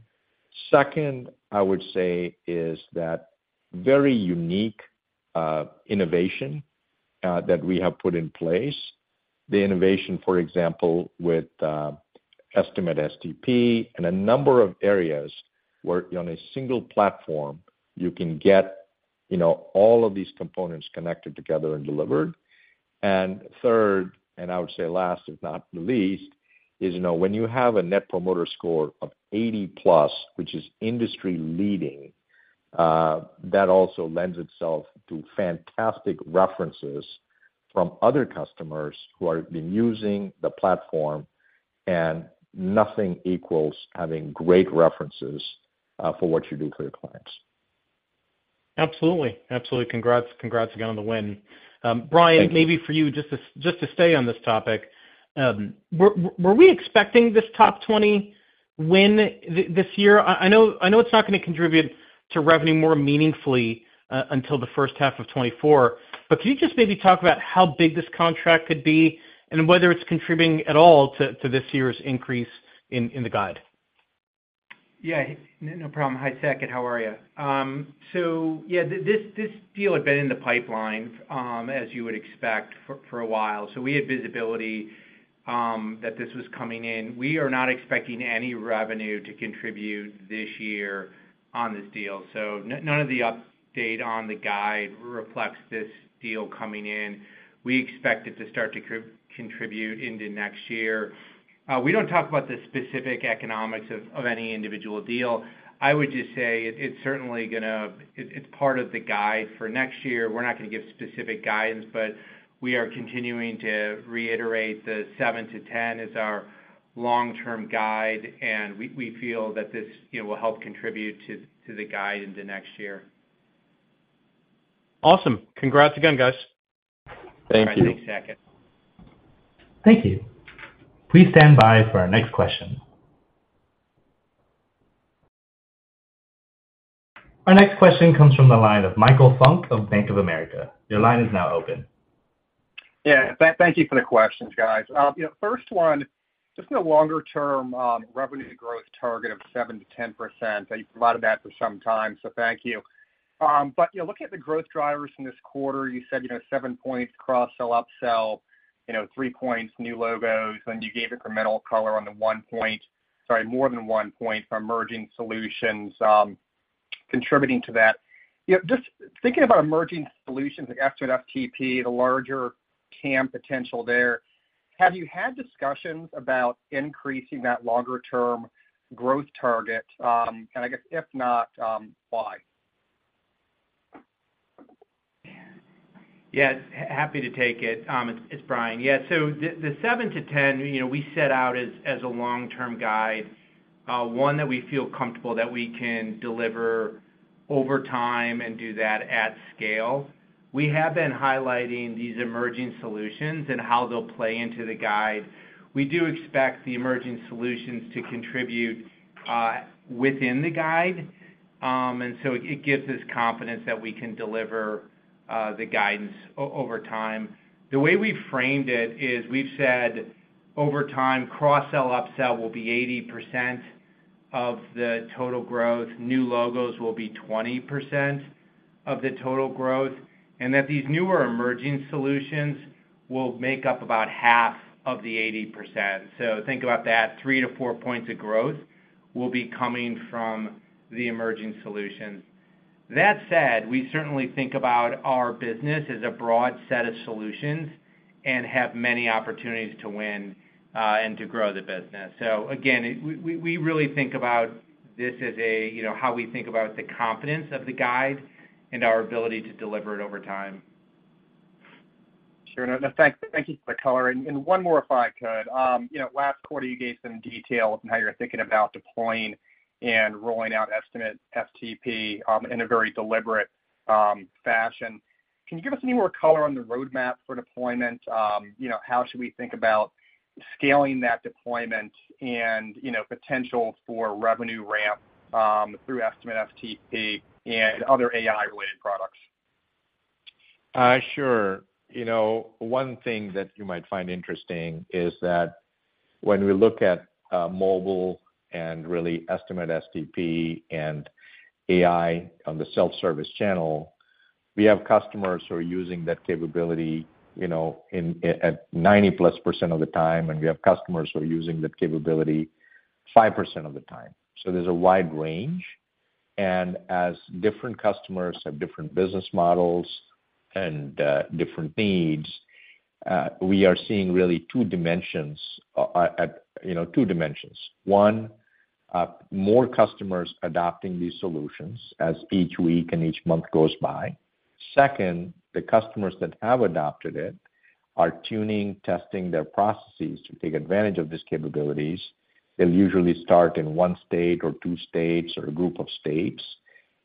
Second, I would say is that very unique innovation that we have put in place. The innovation, for example, with Estimate-STP and a number of areas where on a single platform, you can get, you know, all of these components connected together and delivered. Third, and I would say last, if not the least, is, you know, when you have a Net Promoter Score of 80+, which is industry-leading, that also lends itself to fantastic references from other customers who have been using the platform, and nothing equals having great references, for what you do for your clients. Absolutely. Absolutely. Congrats, congrats again on the win. Brian- Thank you. Maybe for you, just to, just to stay on this topic, were, were we expecting this top 20 win this year? I, I know, I know it's not gonna contribute to revenue more meaningfully until the first half of 2024, but can you just maybe talk about how big this contract could be and whether it's contributing at all to this year's increase in the guide? Yeah, no problem. Hi, Second, how are you? Yeah, this, this deal had been in the pipeline, as you would expect, for a while. We had visibility that this was coming in. We are not expecting any revenue to contribute this year on this deal, none of the update on the guide reflects this deal coming in. We expect it to start to contribute into next year. We don't talk about the specific economics of any individual deal. I would just say it's certainly gonna. It's part of the guide for next year. We're not gonna give specific guidance, but we are continuing to reiterate the 7%-10% is our long-term guide, and we, we feel that this, you know, will help contribute to the guide into next year. Awesome. Congrats again, guys. Thank you. Thanks, Second. Thank you. Please stand by for our next question. Our next question comes from the line of Michael Funk of Bank of America. Your line is now open. Yeah, thank you for the questions, guys. You know, first one, just a longer-term revenue growth target of 7%-10%. You provided that for some time, so thank you. You know, looking at the growth drivers in this quarter, you said, you know, 7 points, cross-sell, upsell, you know, 3 points, new logos, and you gave incremental color on the 1 point. Sorry, more than 1 point from emerging solutions contributing to that. You know, just thinking about emerging solutions, like Estimate-STP, the larger TAM potential there, have you had discussions about increasing that longer-term growth target? I guess, if not, why? Yeah, happy to take it. It's Brian. Yeah, so the 7%-10%, you know, we set out as a long-term guide, one that we feel comfortable that we can deliver over time and do that at scale. We have been highlighting these emerging solutions and how they'll play into the guide. We do expect the emerging solutions to contribute within the guide, and so it gives us confidence that we can deliver the guidance over time. The way we framed it is we've said, over time, cross-sell, upsell will be 80% of the total growth, new logos will be 20% of the total growth, and that these newer emerging solutions will make up about half of the 80%. Think about that, 3-4 points of growth will be coming from the emerging solutions. That said, we certainly think about our business as a broad set of solutions and have many opportunities to win, and to grow the business. Again, we really think about this as you know, how we think about the confidence of the guide and our ability to deliver it over time. Sure enough. Thank, thank you for the color. One more, if I could. You know, last quarter, you gave some details on how you're thinking about deploying and rolling out Estimate-STP, in a very deliberate fashion. Can you give us any more color on the roadmap for deployment? You know, how should we think about scaling that deployment and, you know, potential for revenue ramp through Estimate-STP and other AI-related products? Sure. You know, one thing that you might find interesting is that when we look at mobile and really Estimate-STP and AI on the self-service channel, we have customers who are using that capability, you know, in, at 90%+ of the time, and we have customers who are using that capability 5% of the time. There's a wide range. As different customers have different business models and different needs, we are seeing really two dimensions, at, you know, two dimensions. One, more customers adopting these solutions as each week and each month goes by. Two, the customers that have adopted it are tuning, testing their processes to take advantage of these capabilities. They'll usually start in one state or two states or a group of states,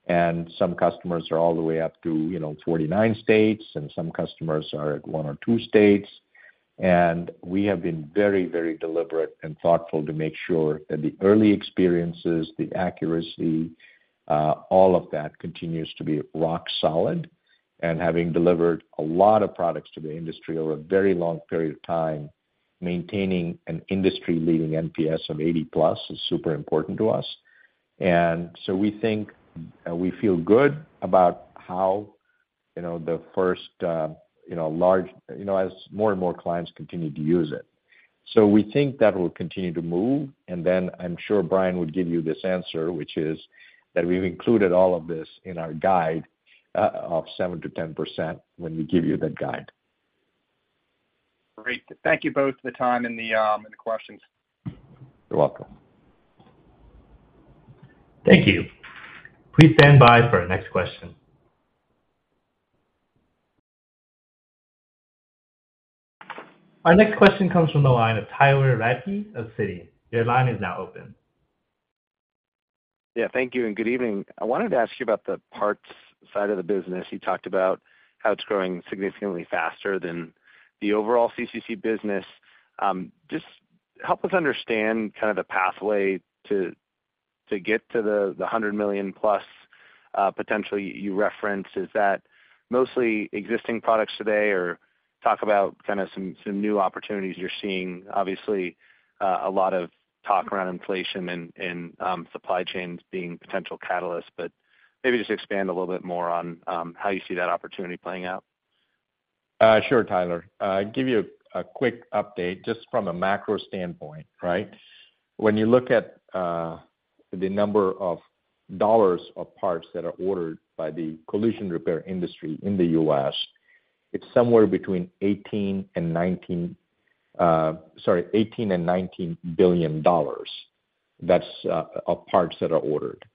and some customers are all the way up to, you know, 49 states, and some customers are at one or two states. We have been very, very deliberate and thoughtful to make sure that the early experiences, all of that continues to be rock solid, and having delivered a lot of products to the industry over a very long period of time, maintaining an industry-leading NPS of 80+ is super important to us. We think, you know, the first, you know, as more and more clients continue to use it. We think that will continue to move, and then I'm sure Brian would give you this answer, which is that we've included all of this in our guide, of 7%-10% when we give you that guide. Great. Thank you both for the time and the questions. You're welcome. Thank you. Please stand by for our next question. Our next question comes from the line of Tyler Radke of Citi. Your line is now open. Yeah, thank you, and good evening. I wanted to ask you about the parts side of the business. You talked about how it's growing significantly faster than the overall CCC business. just help us understand kind of the pathway to, to get to the, the $100 million+ potential you referenced. Is that mostly existing products today? Or talk about kind of some, some new opportunities you're seeing. Obviously, a lot of talk around inflation and, and, supply chains being potential catalysts, but maybe just expand a little bit more on, how you see that opportunity playing out. Sure, Tyler. I'll give you a quick update just from a macro standpoint, right? When you look at the number of dollars of parts that are ordered by the collision repair industry in the U.S., it's somewhere between $18 billion and $19 billion, sorry, $18 billion and $19 billion. That's of parts that are ordered.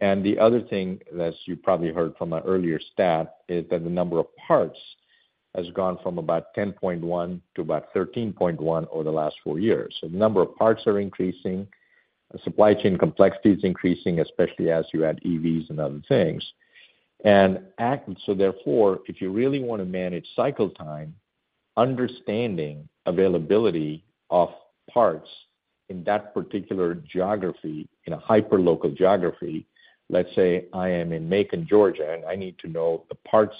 The other thing, as you probably heard from my earlier stat, is that the number of parts has gone from about 10.1 to about 13.1 over the last four years. The number of parts are increasing, the supply chain complexity is increasing, especially as you add EVs and other things. So therefore, if you really wanna manage cycle time, understanding availability of parts in that particular geography, in a hyperlocal geography, let's say I am in Macon, Georgia, and I need to know the parts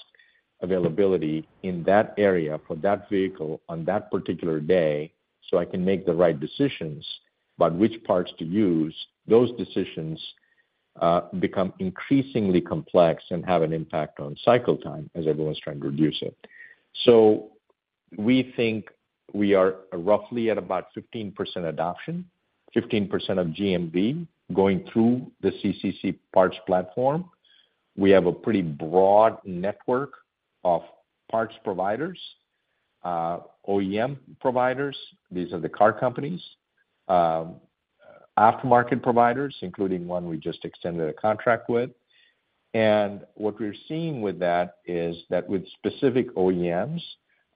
availability in that area for that vehicle on that particular day, so I can make the right decisions about which parts to use. Those decisions become increasingly complex and have an impact on cycle time as everyone's trying to reduce it. We think we are roughly at about 15% adoption, 15% of GMV going through the CCC parts platform. We have a pretty broad network of parts providers, OEM providers, these are the car companies, aftermarket providers, including one we just extended a contract with. What we're seeing with that is that with specific OEMs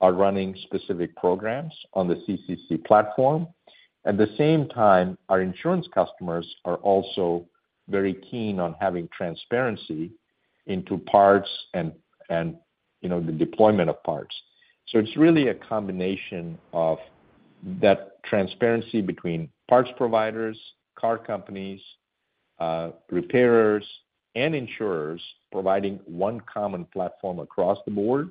are running specific programs on the CCC platform. At the same time, our insurance customers are also very keen on having transparency into parts and, you know, the deployment of parts. It's really a combination of that transparency between parts providers, car companies, repairers, and insurers, providing one common platform across the board.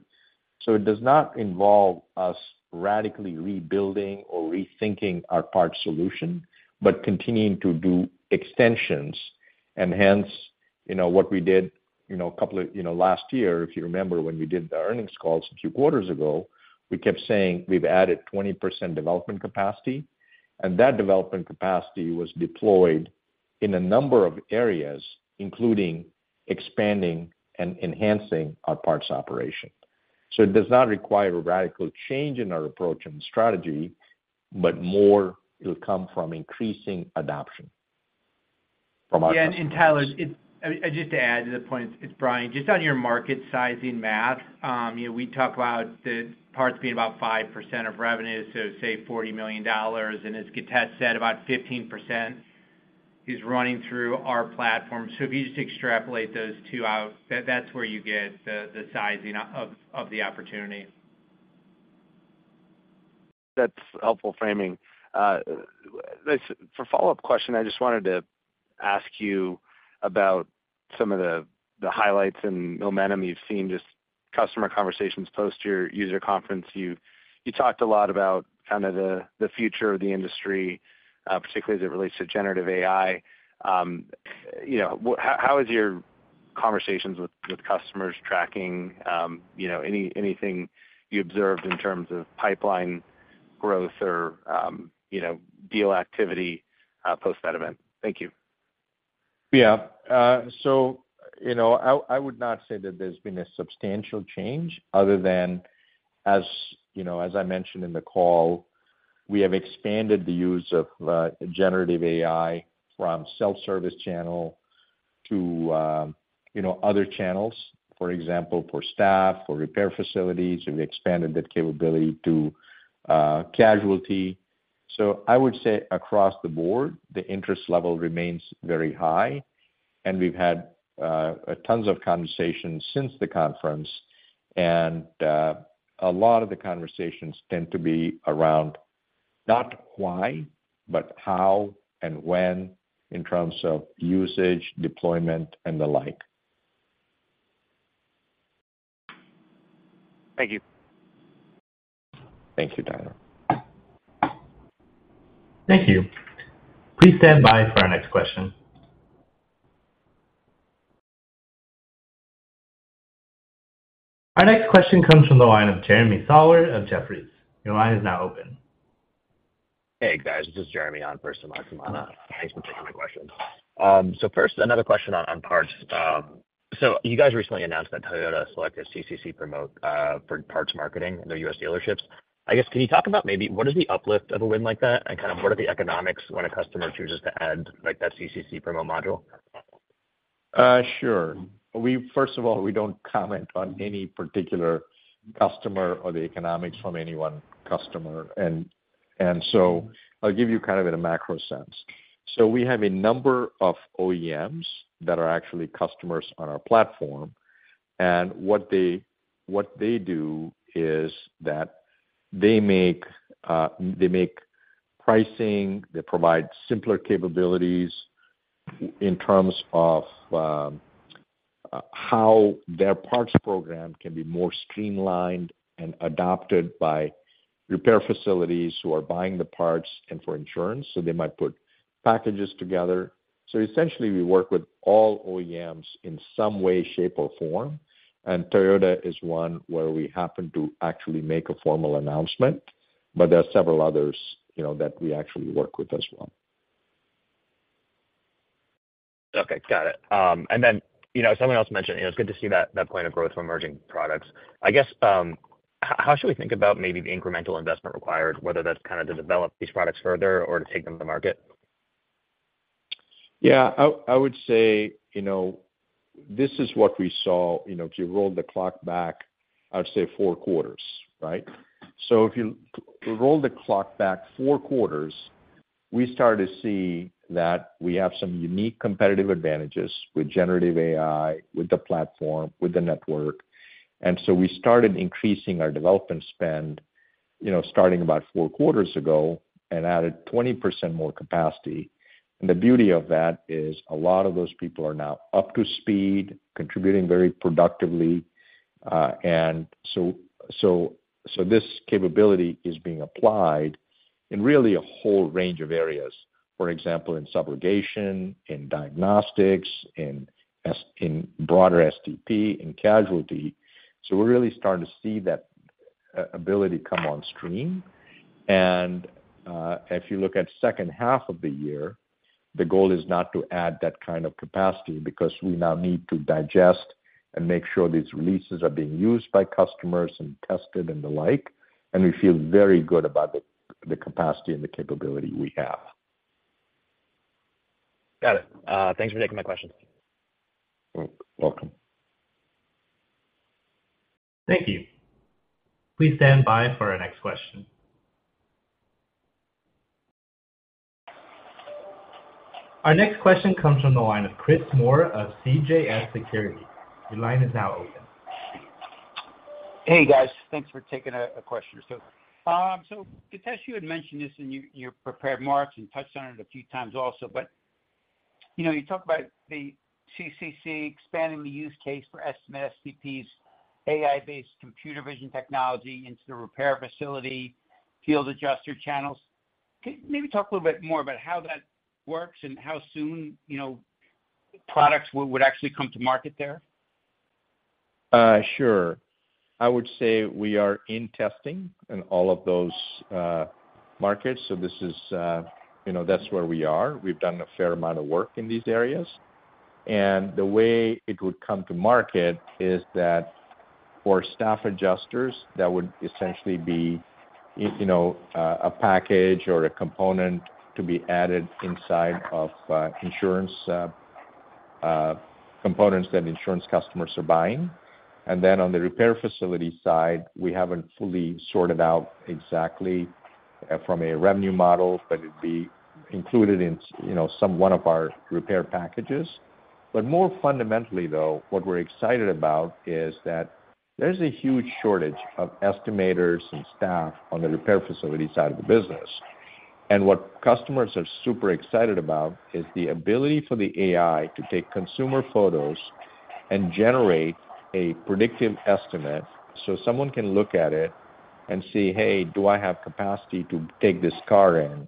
It does not involve us radically rebuilding or rethinking our parts solution, but continuing to do extensions. Hence, what we did, you know, last year, if you remember, when we did the earnings calls a few quarters ago, we kept saying we've added 20% development capacity, and that development capacity was deployed in a number of areas, including expanding and enhancing our parts operation. It does not require a radical change in our approach and strategy, but more, it'll come from increasing adoption from our end. Yeah, Tyler, it's just to add to the point, it's Brian. Just on your market sizing math, you know, we talk about the parts being about 5% of revenue, so say $40 million, and as Githesh said, about 15% is running through our platform. If you just extrapolate those two out, that's where you get the, the sizing of, of the opportunity. That's helpful framing. Listen, for a follow-up question, I just wanted to ask you about some of the, the highlights and momentum you've seen, just customer conversations post your user conference. You, you talked a lot about kind of the, the future of the industry, particularly as it relates to generative AI. You know, how, how is your conversations with, with customers tracking? You know, anything you observed in terms of pipeline growth or, you know, deal activity, post that event? Thank you. Yeah. So, you know, I, I would not say that there's been a substantial change other than, as you know, as I mentioned in the call, we have expanded the use of generative AI from self-service channel to, you know, other channels, for example, for staff, for repair facilities, and we expanded that capability to casualty. I would say across the board, the interest level remains very high, and we've had tons of conversations since the conference. A lot of the conversations tend to be around, not why, but how and when in terms of usage, deployment, and the like. Thank you. Thank you, Tyler. Thank you. Please stand by for our next question. Our next question comes from the line of Jeremy Sawyer of Jefferies. Your line is now open. Hey, guys, this is Jeremy on for Simon. Thanks for taking my question. First, another question on, on parts. You guys recently announced that Toyota selected CCC Promote for parts marketing in their US dealerships. I guess, can you talk about maybe what is the uplift of a win like that and kind of what are the economics when a customer chooses to add, like, that CCC Promote module? Sure. We first of all, we don't comment on any particular customer or the economics from any one customer. I'll give you kind of in a macro sense. We have a number of OEMs that are actually customers on our platform, and what they, what they do is that they make, they make pricing, they provide simpler capabilities in terms of, how their parts program can be more streamlined and adopted by repair facilities who are buying the parts and for insurance, so they might put packages together. Essentially, we work with all OEMs in some way, shape, or form, and Toyota is one where we happen to actually make a formal announcement, but there are several others, you know, that we actually work with as well. Okay, got it. Then, you know, someone else mentioned, you know, it's good to see that, that point of growth from emerging products. I guess, how should we think about maybe the incremental investment required, whether that's kind of to develop these products further or to take them to the market? Yeah. I would say, you know, this is what we saw, you know, if you roll the clock back, I would say four quarters, right? If you roll the clock back four quarters, we start to see that we have some unique competitive advantages with generative AI, with the platform, with the network. We started increasing our development spend, you know, starting about four quarters ago and added 20% more capacity. The beauty of that is a lot of those people are now up to speed, contributing very productively, and so this capability is being applied in really a whole range of areas. For example, in subrogation, in diagnostics, in broader STP, in casualty. We're really starting to see that ability come on stream. If you look at second half of the year, the goal is not to add that kind of capacity because we now need to digest and make sure these releases are being used by customers and tested and the like. We feel very good about the, the capacity and the capability we have. Got it. Thanks for taking my questions. You're welcome. Thank you. Please stand by for our next question. Our next question comes from the line of Chris Moore of CJS Securities. Your line is now open. Hey, guys. Thanks for taking a question. Githesh, you had mentioned this in your, your prepared remarks and touched on it a few times also, but, you know, you talked about the CCC expanding the use case for Estimate-STPs, AI-based computer vision technology into the repair facility, field adjuster channels. Can you maybe talk a little bit more about how that works and how soon, you know, products would, would actually come to market there? Sure. I would say we are in testing in all of those markets, so this is, you know, that's where we are. We've done a fair amount of work in these areas. The way it would come to market is that for staff adjusters, that would essentially be, you know, a package or a component to be added inside of insurance components that insurance customers are buying. Then on the repair facility side, we haven't fully sorted out exactly from a revenue model, but it'd be included in, you know, some one of our repair packages. More fundamentally, though, what we're excited about is that there's a huge shortage of estimators and staff on the repair facility side of the business. What customers are super excited about is the ability for the AI to take consumer photos and generate a predictive estimate, so someone can look at it and see, "Hey, do I have capacity to take this car in?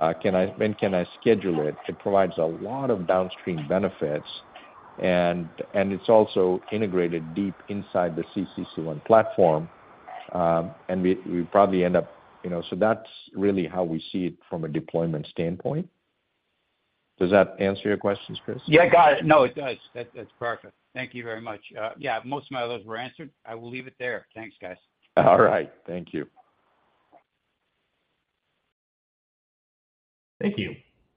When can I schedule it?" It provides a lot of downstream benefits, and it's also integrated deep inside the CCC ONE platform. We, we probably end up. You know, so that's really how we see it from a deployment standpoint. Does that answer your questions, Chris? Yeah, got it. No, it does. That, that's perfect. Thank you very much. Yeah, most of my others were answered. I will leave it there. Thanks, guys. All right. Thank you. Thank you.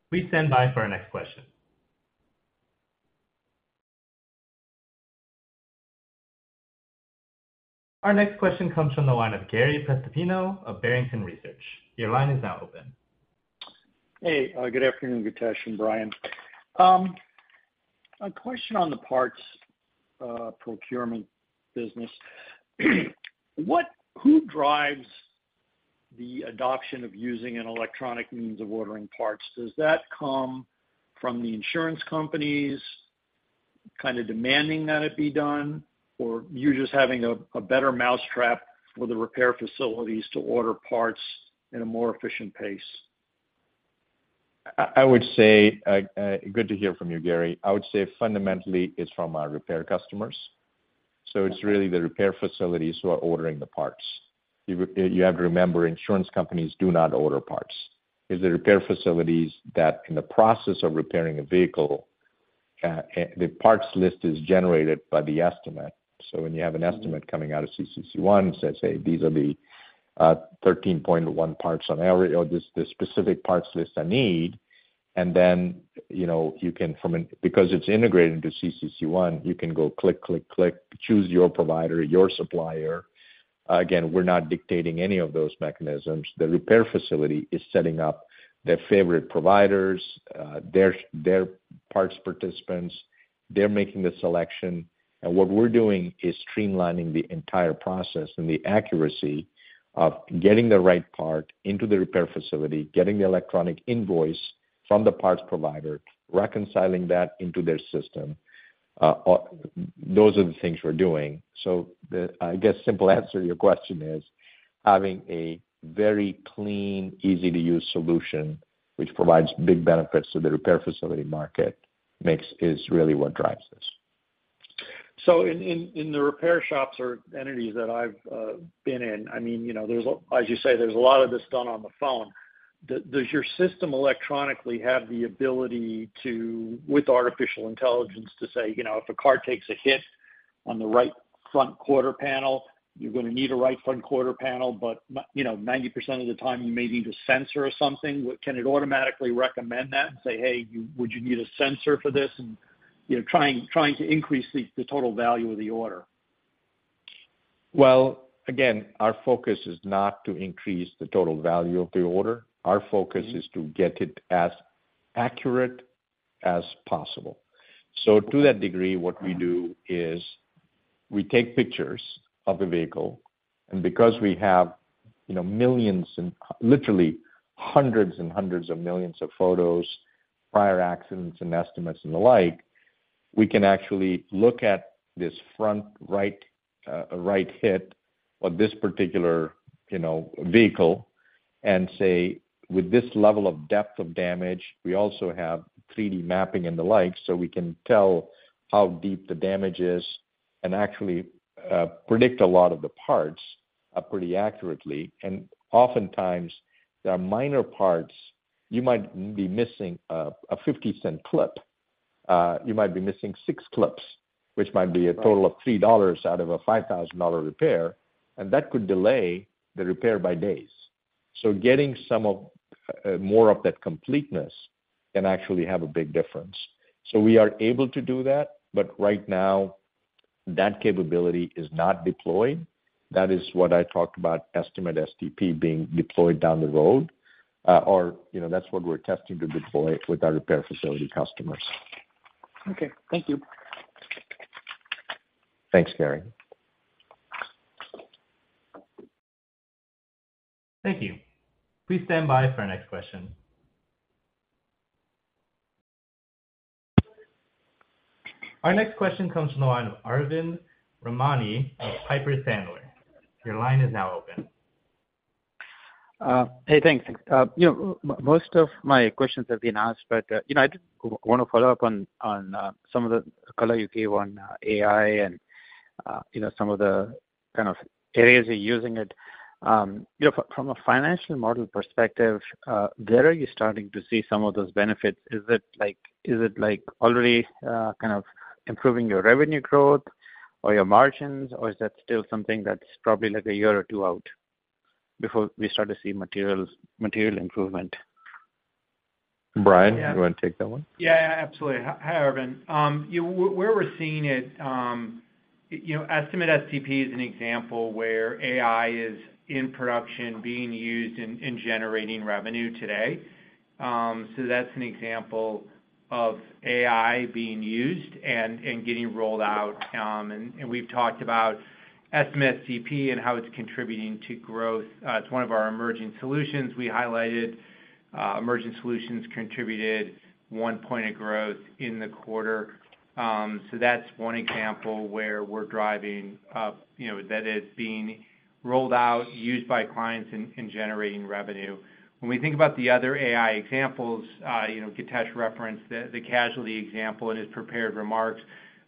Please stand by for our next question. Our next question comes from the line of Gary Prestopino of Barrington Research. Your line is now open. Hey, good afternoon, Githesh and Brian. A question on the parts procurement business. Who drives the adoption of using an electronic means of ordering parts? Does that come from the insurance companies kind of demanding that it be done, or you just having a, a better mousetrap for the repair facilities to order parts in a more efficient pace? I would say, good to hear from you, Gary. I would say fundamentally it's from our repair customers. It's really the repair facilities who are ordering the parts. You, you have to remember, insurance companies do not order parts. It's the repair facilities that in the process of repairing a vehicle, the parts list is generated by the estimate. When you have an estimate coming out of CCC ONE, says, "Hey, these are the, 13.1 parts on every, or this, the specific parts list I need," and then, you know, because it's integrated into CCC ONE, you can go click, click, click, choose your provider, your supplier. Again, we're not dictating any of those mechanisms. The repair facility is setting up their favorite providers, their, their parts participants. They're making the selection. What we're doing is streamlining the entire process and the accuracy of getting the right part into the repair facility, getting the electronic invoice from the parts provider, reconciling that into their system, those are the things we're doing. The, I guess, simple answer to your question is, having a very clean, easy-to-use solution, which provides big benefits to the repair facility market, is really what drives this. In the repair shops or entities that I've been in, I mean, you know, there's a- as you say, there's a lot of this done on the phone. Does your system electronically have the ability to, with artificial intelligence, to say, you know, if a car takes a hit on the right front quarter panel, you're gonna need a right front quarter panel, but, you know, 90% of the time you may need a sensor or something? Can it automatically recommend that and say, "Hey, you-- would you need a sensor for this?" And, you know, trying, trying to increase the total value of the order? Well, again, our focus is not to increase the total value of the order. Our focus is to get it as accurate as possible. To that degree, what we do is we take pictures of the vehicle, and because we have, you know, millions and literally hundreds and hundreds of millions of photos, prior accidents and estimates and the like, we can actually look at this front right, a right hit on this particular, you know, vehicle and say, with this level of depth of damage, we also have 3D mapping and the like, so we can tell how deep the damage is and actually, predict a lot of the parts, pretty accurately. Oftentimes, there are minor parts, you might be missing a, a $0.50 clip. You might be missing six clips, which might be a total of $3 out of a $5,000 repair, and that could delay the repair by days. Getting some of more of that completeness can actually have a big difference. We are able to do that, but right now, that capability is not deployed. That is what I talked about, Estimate-STP being deployed down the road, or, you know, that's what we're testing to deploy with our repair facility customers. Okay, thank you. Thanks, Gary. Thank you. Please stand by for our next question. Our next question comes from the line of Arvind Ramnani of Piper Sandler. Your line is now open. Hey, thanks. You know, most of my questions have been asked, but, you know, I did wanna follow up on, on, some of the color you gave on, AI and, you know, some of the kind of areas you're using it. You know, from a financial model perspective, where are you starting to see some of those benefits? Is it, like, already, kind of improving your revenue growth or your margins, or is that still something that's probably like one year or two out before we start to see material improvement? Brian, you want to take that one? Yeah, absolutely. Hi, Arvind. Yeah, where we're seeing it, you know, Estimate-STP is an example where AI is in production being used in, in generating revenue today. That's an example of AI being used and, and getting rolled out. We've talked about Estimate-STP and how it's contributing to growth. It's one of our emerging solutions. We highlighted, emerging solutions contributed 1 point of growth in the quarter. That's one example where we're driving, you know, that is being rolled out, used by clients, and, and generating revenue. When we think about the other AI examples, you know, Githesh referenced the, the casualty example in his prepared remarks.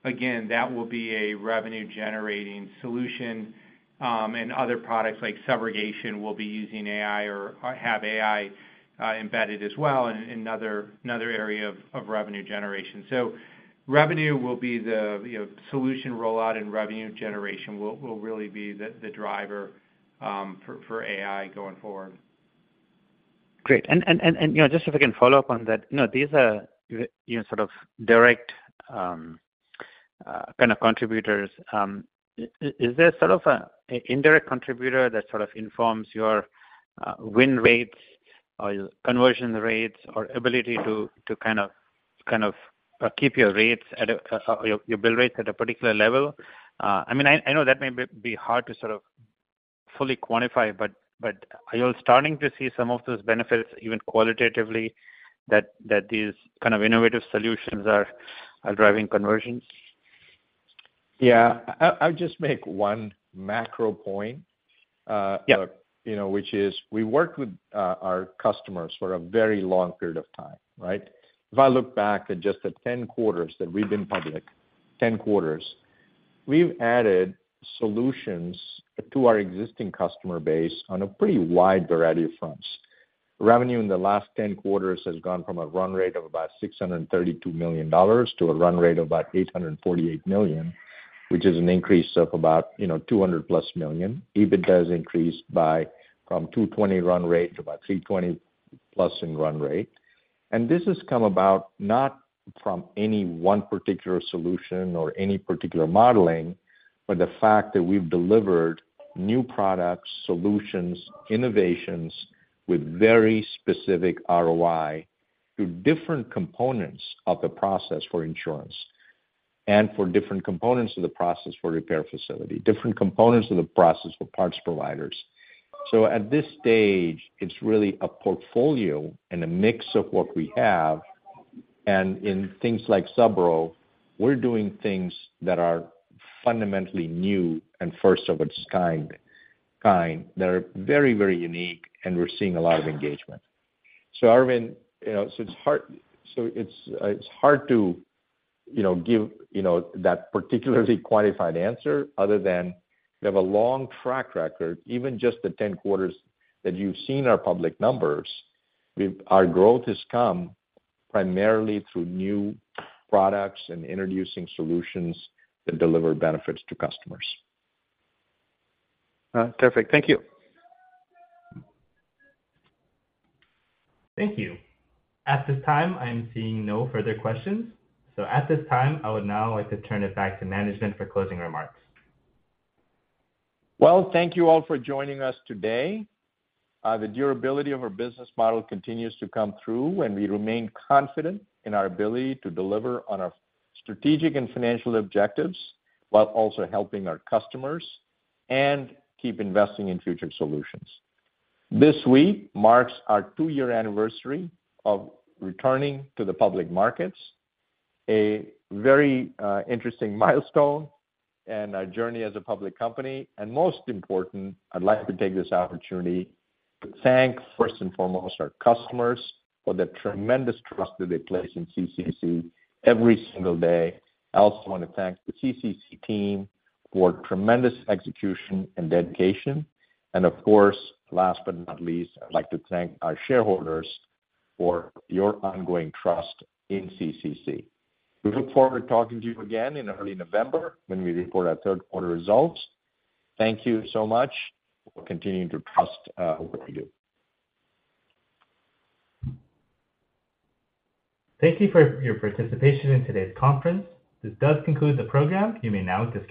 That will be a revenue-generating solution, and other products like subrogation will be using AI or, or have AI, embedded as well in, another, another area of, of revenue generation. Revenue will be the, you know, solution rollout and revenue generation will, will really be the, the driver, for AI going forward. Great. You know, just if I can follow up on that, you know, these are, you know, sort of direct, kind of contributors, is there sort of a, a indirect contributor that sort of informs your, win rates or your conversion rates or ability to, to kind of, kind of, keep your rates at a, your, your bill rates at a particular level? I mean, I know that may be, be hard to sort of fully quantify, but, but are you all starting to see some of those benefits, even qualitatively, that, that these kind of innovative solutions are, are driving conversions? Yeah. I'll just make one macro point. Yeah You know, which is we work with, our customers for a very long period of time, right? If I look back at just the 10 quarters that we've been public, 10 quarters, we've added solutions to our existing customer base on a pretty wide variety of fronts. Revenue in the last 10 quarters has gone from a run rate of about $632 million to a run rate of about $848 million, which is an increase of about, you know, $200+ million. EBITDA has increased by from $220 run rate to about $320+ in run rate. This has come about not from any one particular solution or any particular modeling, but the fact that we've delivered new products, solutions, innovations, with very specific ROI to different components of the process for insurance. For different components of the process for repair facility, different components of the process for parts providers. At this stage, it's really a portfolio and a mix of what we have, and in things like Subro, we're doing things that are fundamentally new and first of its kind, kind. That are very, very unique, and we're seeing a lot of engagement. Arvind, you know, so it's hard. So it's, it's hard to, you know, give, you know, that particularly qualified answer, other than we have a long track record, even just the 10 quarters that you've seen our public numbers, our growth has come primarily through new products and introducing solutions that deliver benefits to customers. Perfect. Thank you. Thank you. At this time, I'm seeing no further questions. At this time, I would now like to turn it back to management for closing remarks. Well, thank you all for joining us today. The durability of our business model continues to come through, and we remain confident in our ability to deliver on our strategic and financial objectives, while also helping our customers and keep investing in future solutions. This week marks our two-year anniversary of returning to the public markets, a very interesting milestone in our journey as a public company. Most important, I'd like to take this opportunity to thank, first and foremost, our customers for the tremendous trust that they place in CCC every single day. I also want to thank the CCC team for tremendous execution and dedication. Of course, last but not least, I'd like to thank our shareholders for your ongoing trust in CCC. We look forward to talking to you again in early November when we report our third quarter results. Thank you so much for continuing to trust what we do. Thank you for your participation in today's conference. This does conclude the program. You may now disconnect.